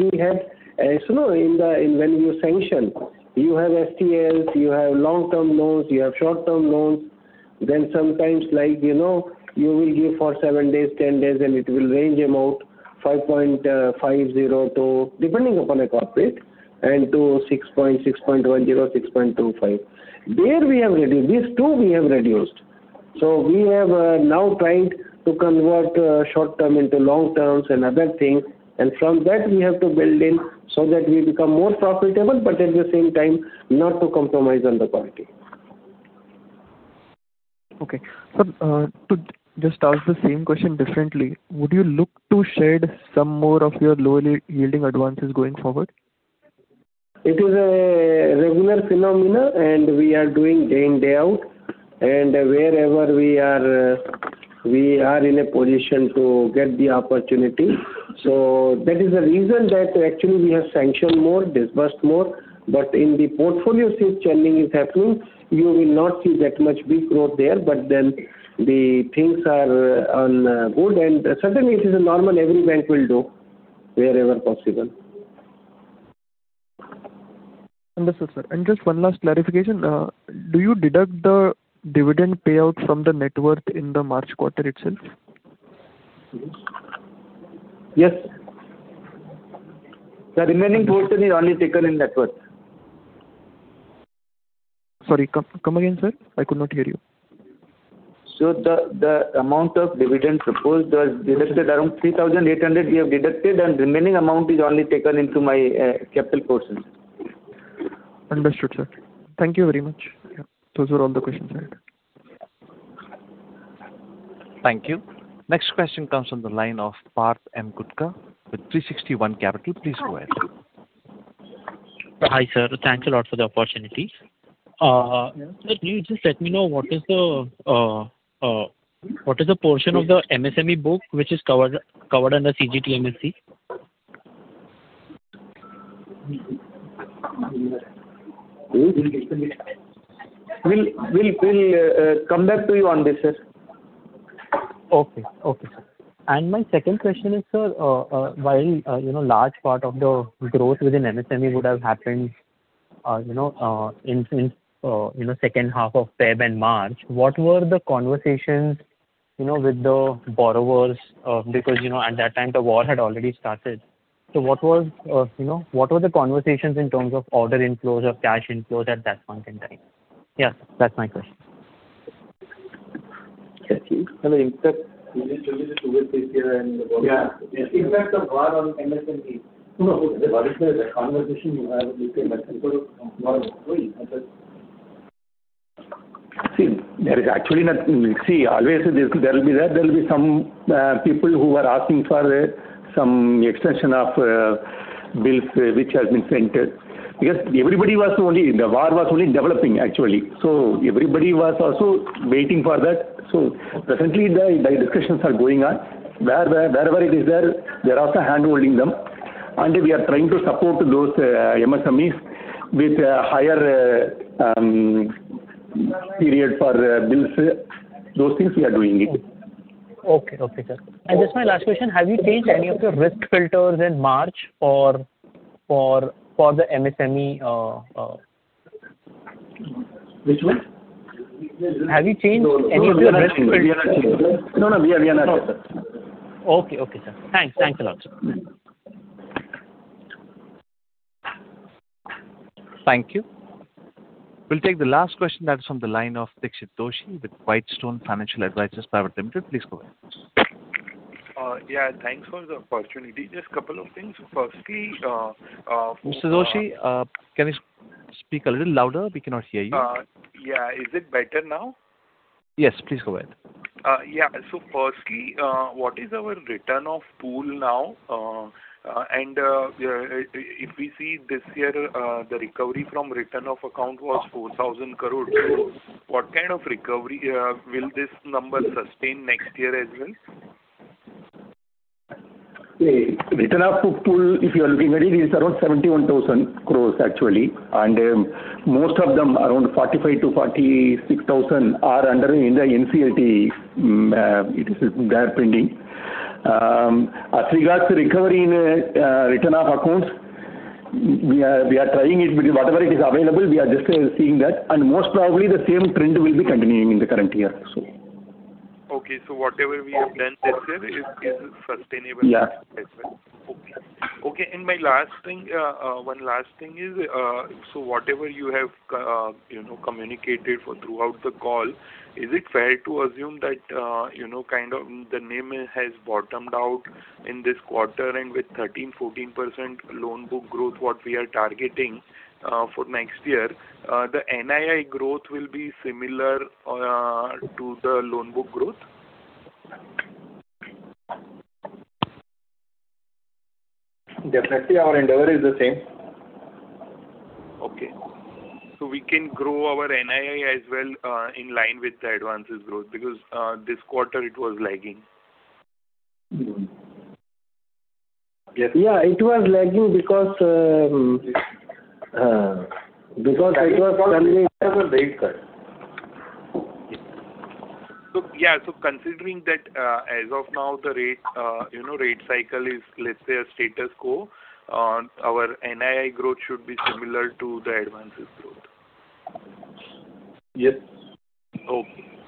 you sanction, you have STLs, you have long-term loans, you have short-term loans. Sometimes like you will give for seven days, 10 days, and it will range from 5.50% to, depending upon a corporate, and to 6.10%, 6.25%. These two we have reduced. We have now tried to convert short-term into long terms and other things. From that we have to build in so that we become more profitable, but at the same time not to compromise on the quality. Okay. Sir, to just ask the same question differently, would you look to shed some more of your lower yielding advances going forward? It is a regular phenomenon, and we are doing day in, day out, and wherever we are in a position to get the opportunity. That is the reason that actually we have sanctioned more, disbursed more. In the portfolio, since churning is happening, you will not see that much big growth there. The things are on board and certainly it is a normal every bank will do wherever possible. Understood, sir. Just one last clarification. Do you deduct the dividend payout from the net worth in the March quarter itself? Yes. The remaining portion is only taken in net worth. Sorry. Come again, sir. I could not hear you. The amount of dividend, suppose there are deducted around 3,800, we have deducted and remaining amount is only taken into my capital portions. Understood, sir. Thank you very much. Those were all the questions I had. Thank you. Next question comes from the line of Parth Gutka with 360 ONE Capital. Please go ahead. Hi, sir. Thanks a lot for the opportunity. Sir, please just let me know what is the portion of the MSME book which is covered under CGTMSE? We'll come back to you on this, sir. Okay, sir. My second question is sir, while large part of the growth within MSME would have happened in the second half of February and March, what were the conversations with the borrowers? Because at that time, the war had already started. What were the conversations in terms of order inflows or cash inflows at that point in time? Yes, that's my question. Thank you. He just told you the two- or three-year yield and the war. Yeah. Impact of war on MSMEs. No. What is the conversation you have with your customers who are going? See, there will be some people who are asking for some extension of bills which has been sent. Because the war was only developing actually, so everybody was also waiting for that. Presently the discussions are going on. Wherever it is there, we are also handholding them, and we are trying to support those MSMEs with higher period for bills. Those things we are doing it. Okay, sir. Just my last question, have you changed any of your risk filters in March for the MSME? Which one? Have you changed any of your risk filters? No, no, we have not changed. Okay, sir. Thanks a lot, sir. Thank you. We'll take the last question that is on the line of Dixit Doshi with Whitestone Financial Advisors Private Limited. Please go ahead. Yeah. Thanks for the opportunity. Just couple of things. Firstly- Mr. Doshi, can you speak a little louder? We cannot hear you. Yeah. Is it better now? Yes, please go ahead. Yeah. Firstly, what is our written-off pool now? If we see this year, the recovery from written-off account was 4,000 crore. What kind of recovery will this number sustain next year as well? Written-off of pool, if you are looking at it, is around 71,000 crore actually, and most of them, around 45,000 crore-46,000 crore, are under the NCLT. It is there pending. As regards to recovery in written-off accounts, we are trying it. Whatever is available, we are just seeing that, and most probably the same trend will be continuing in the current year. Okay. Whatever we have done this year is sustainable next year as well. Yeah. Okay. One last thing is, so whatever you have communicated throughout the call, is it fair to assume that the NIM has bottomed out in this quarter? With 13%-14% loan book growth, what we are targeting for next year, the NII growth will be similar to the loan book growth? Definitely our endeavor is the same. Okay. We can grow our NII as well in line with the advances growth, because this quarter it was lagging. Yeah, it was lagging because it was coming. Considering that as of now, the rate cycle is, let's say, a status quo, our NII growth should be similar to the advances growth. Yes.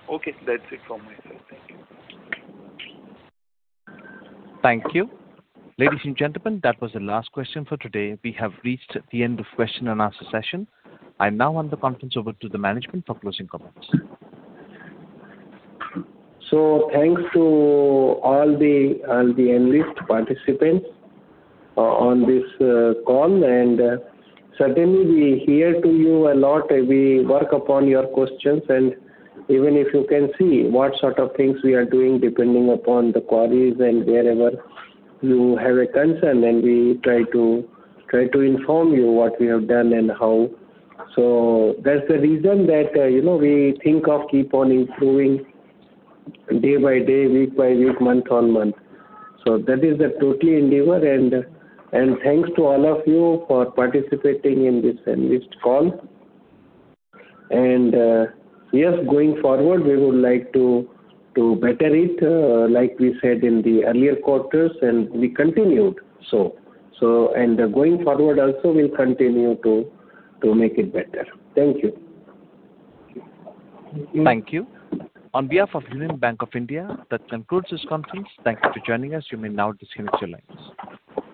Okay. That's it from my side. Thank you. Thank you. Ladies and gentlemen, that was the last question for today. We have reached the end of question and answer session. I now hand the conference over to the management for closing comments. Thanks to all the analysts, participants on this call. Certainly, we hear you a lot. We work upon your questions, and even if you can see what sort of things we are doing, depending upon the queries and wherever you have a concern, and we try to inform you what we have done and how. That's the reason that we think of keeping on improving day by day, week by week, month-on-month. That is the total endeavor. Thanks to all of you for participating in this analyst call. Yes, going forward, we would like to better it, like we said in the earlier quarters, and we continued so. Going forward also, we'll continue to make it better. Thank you. Thank you. On behalf of Union Bank of India, that concludes this conference. Thank you for joining us. You may now disconnect your lines.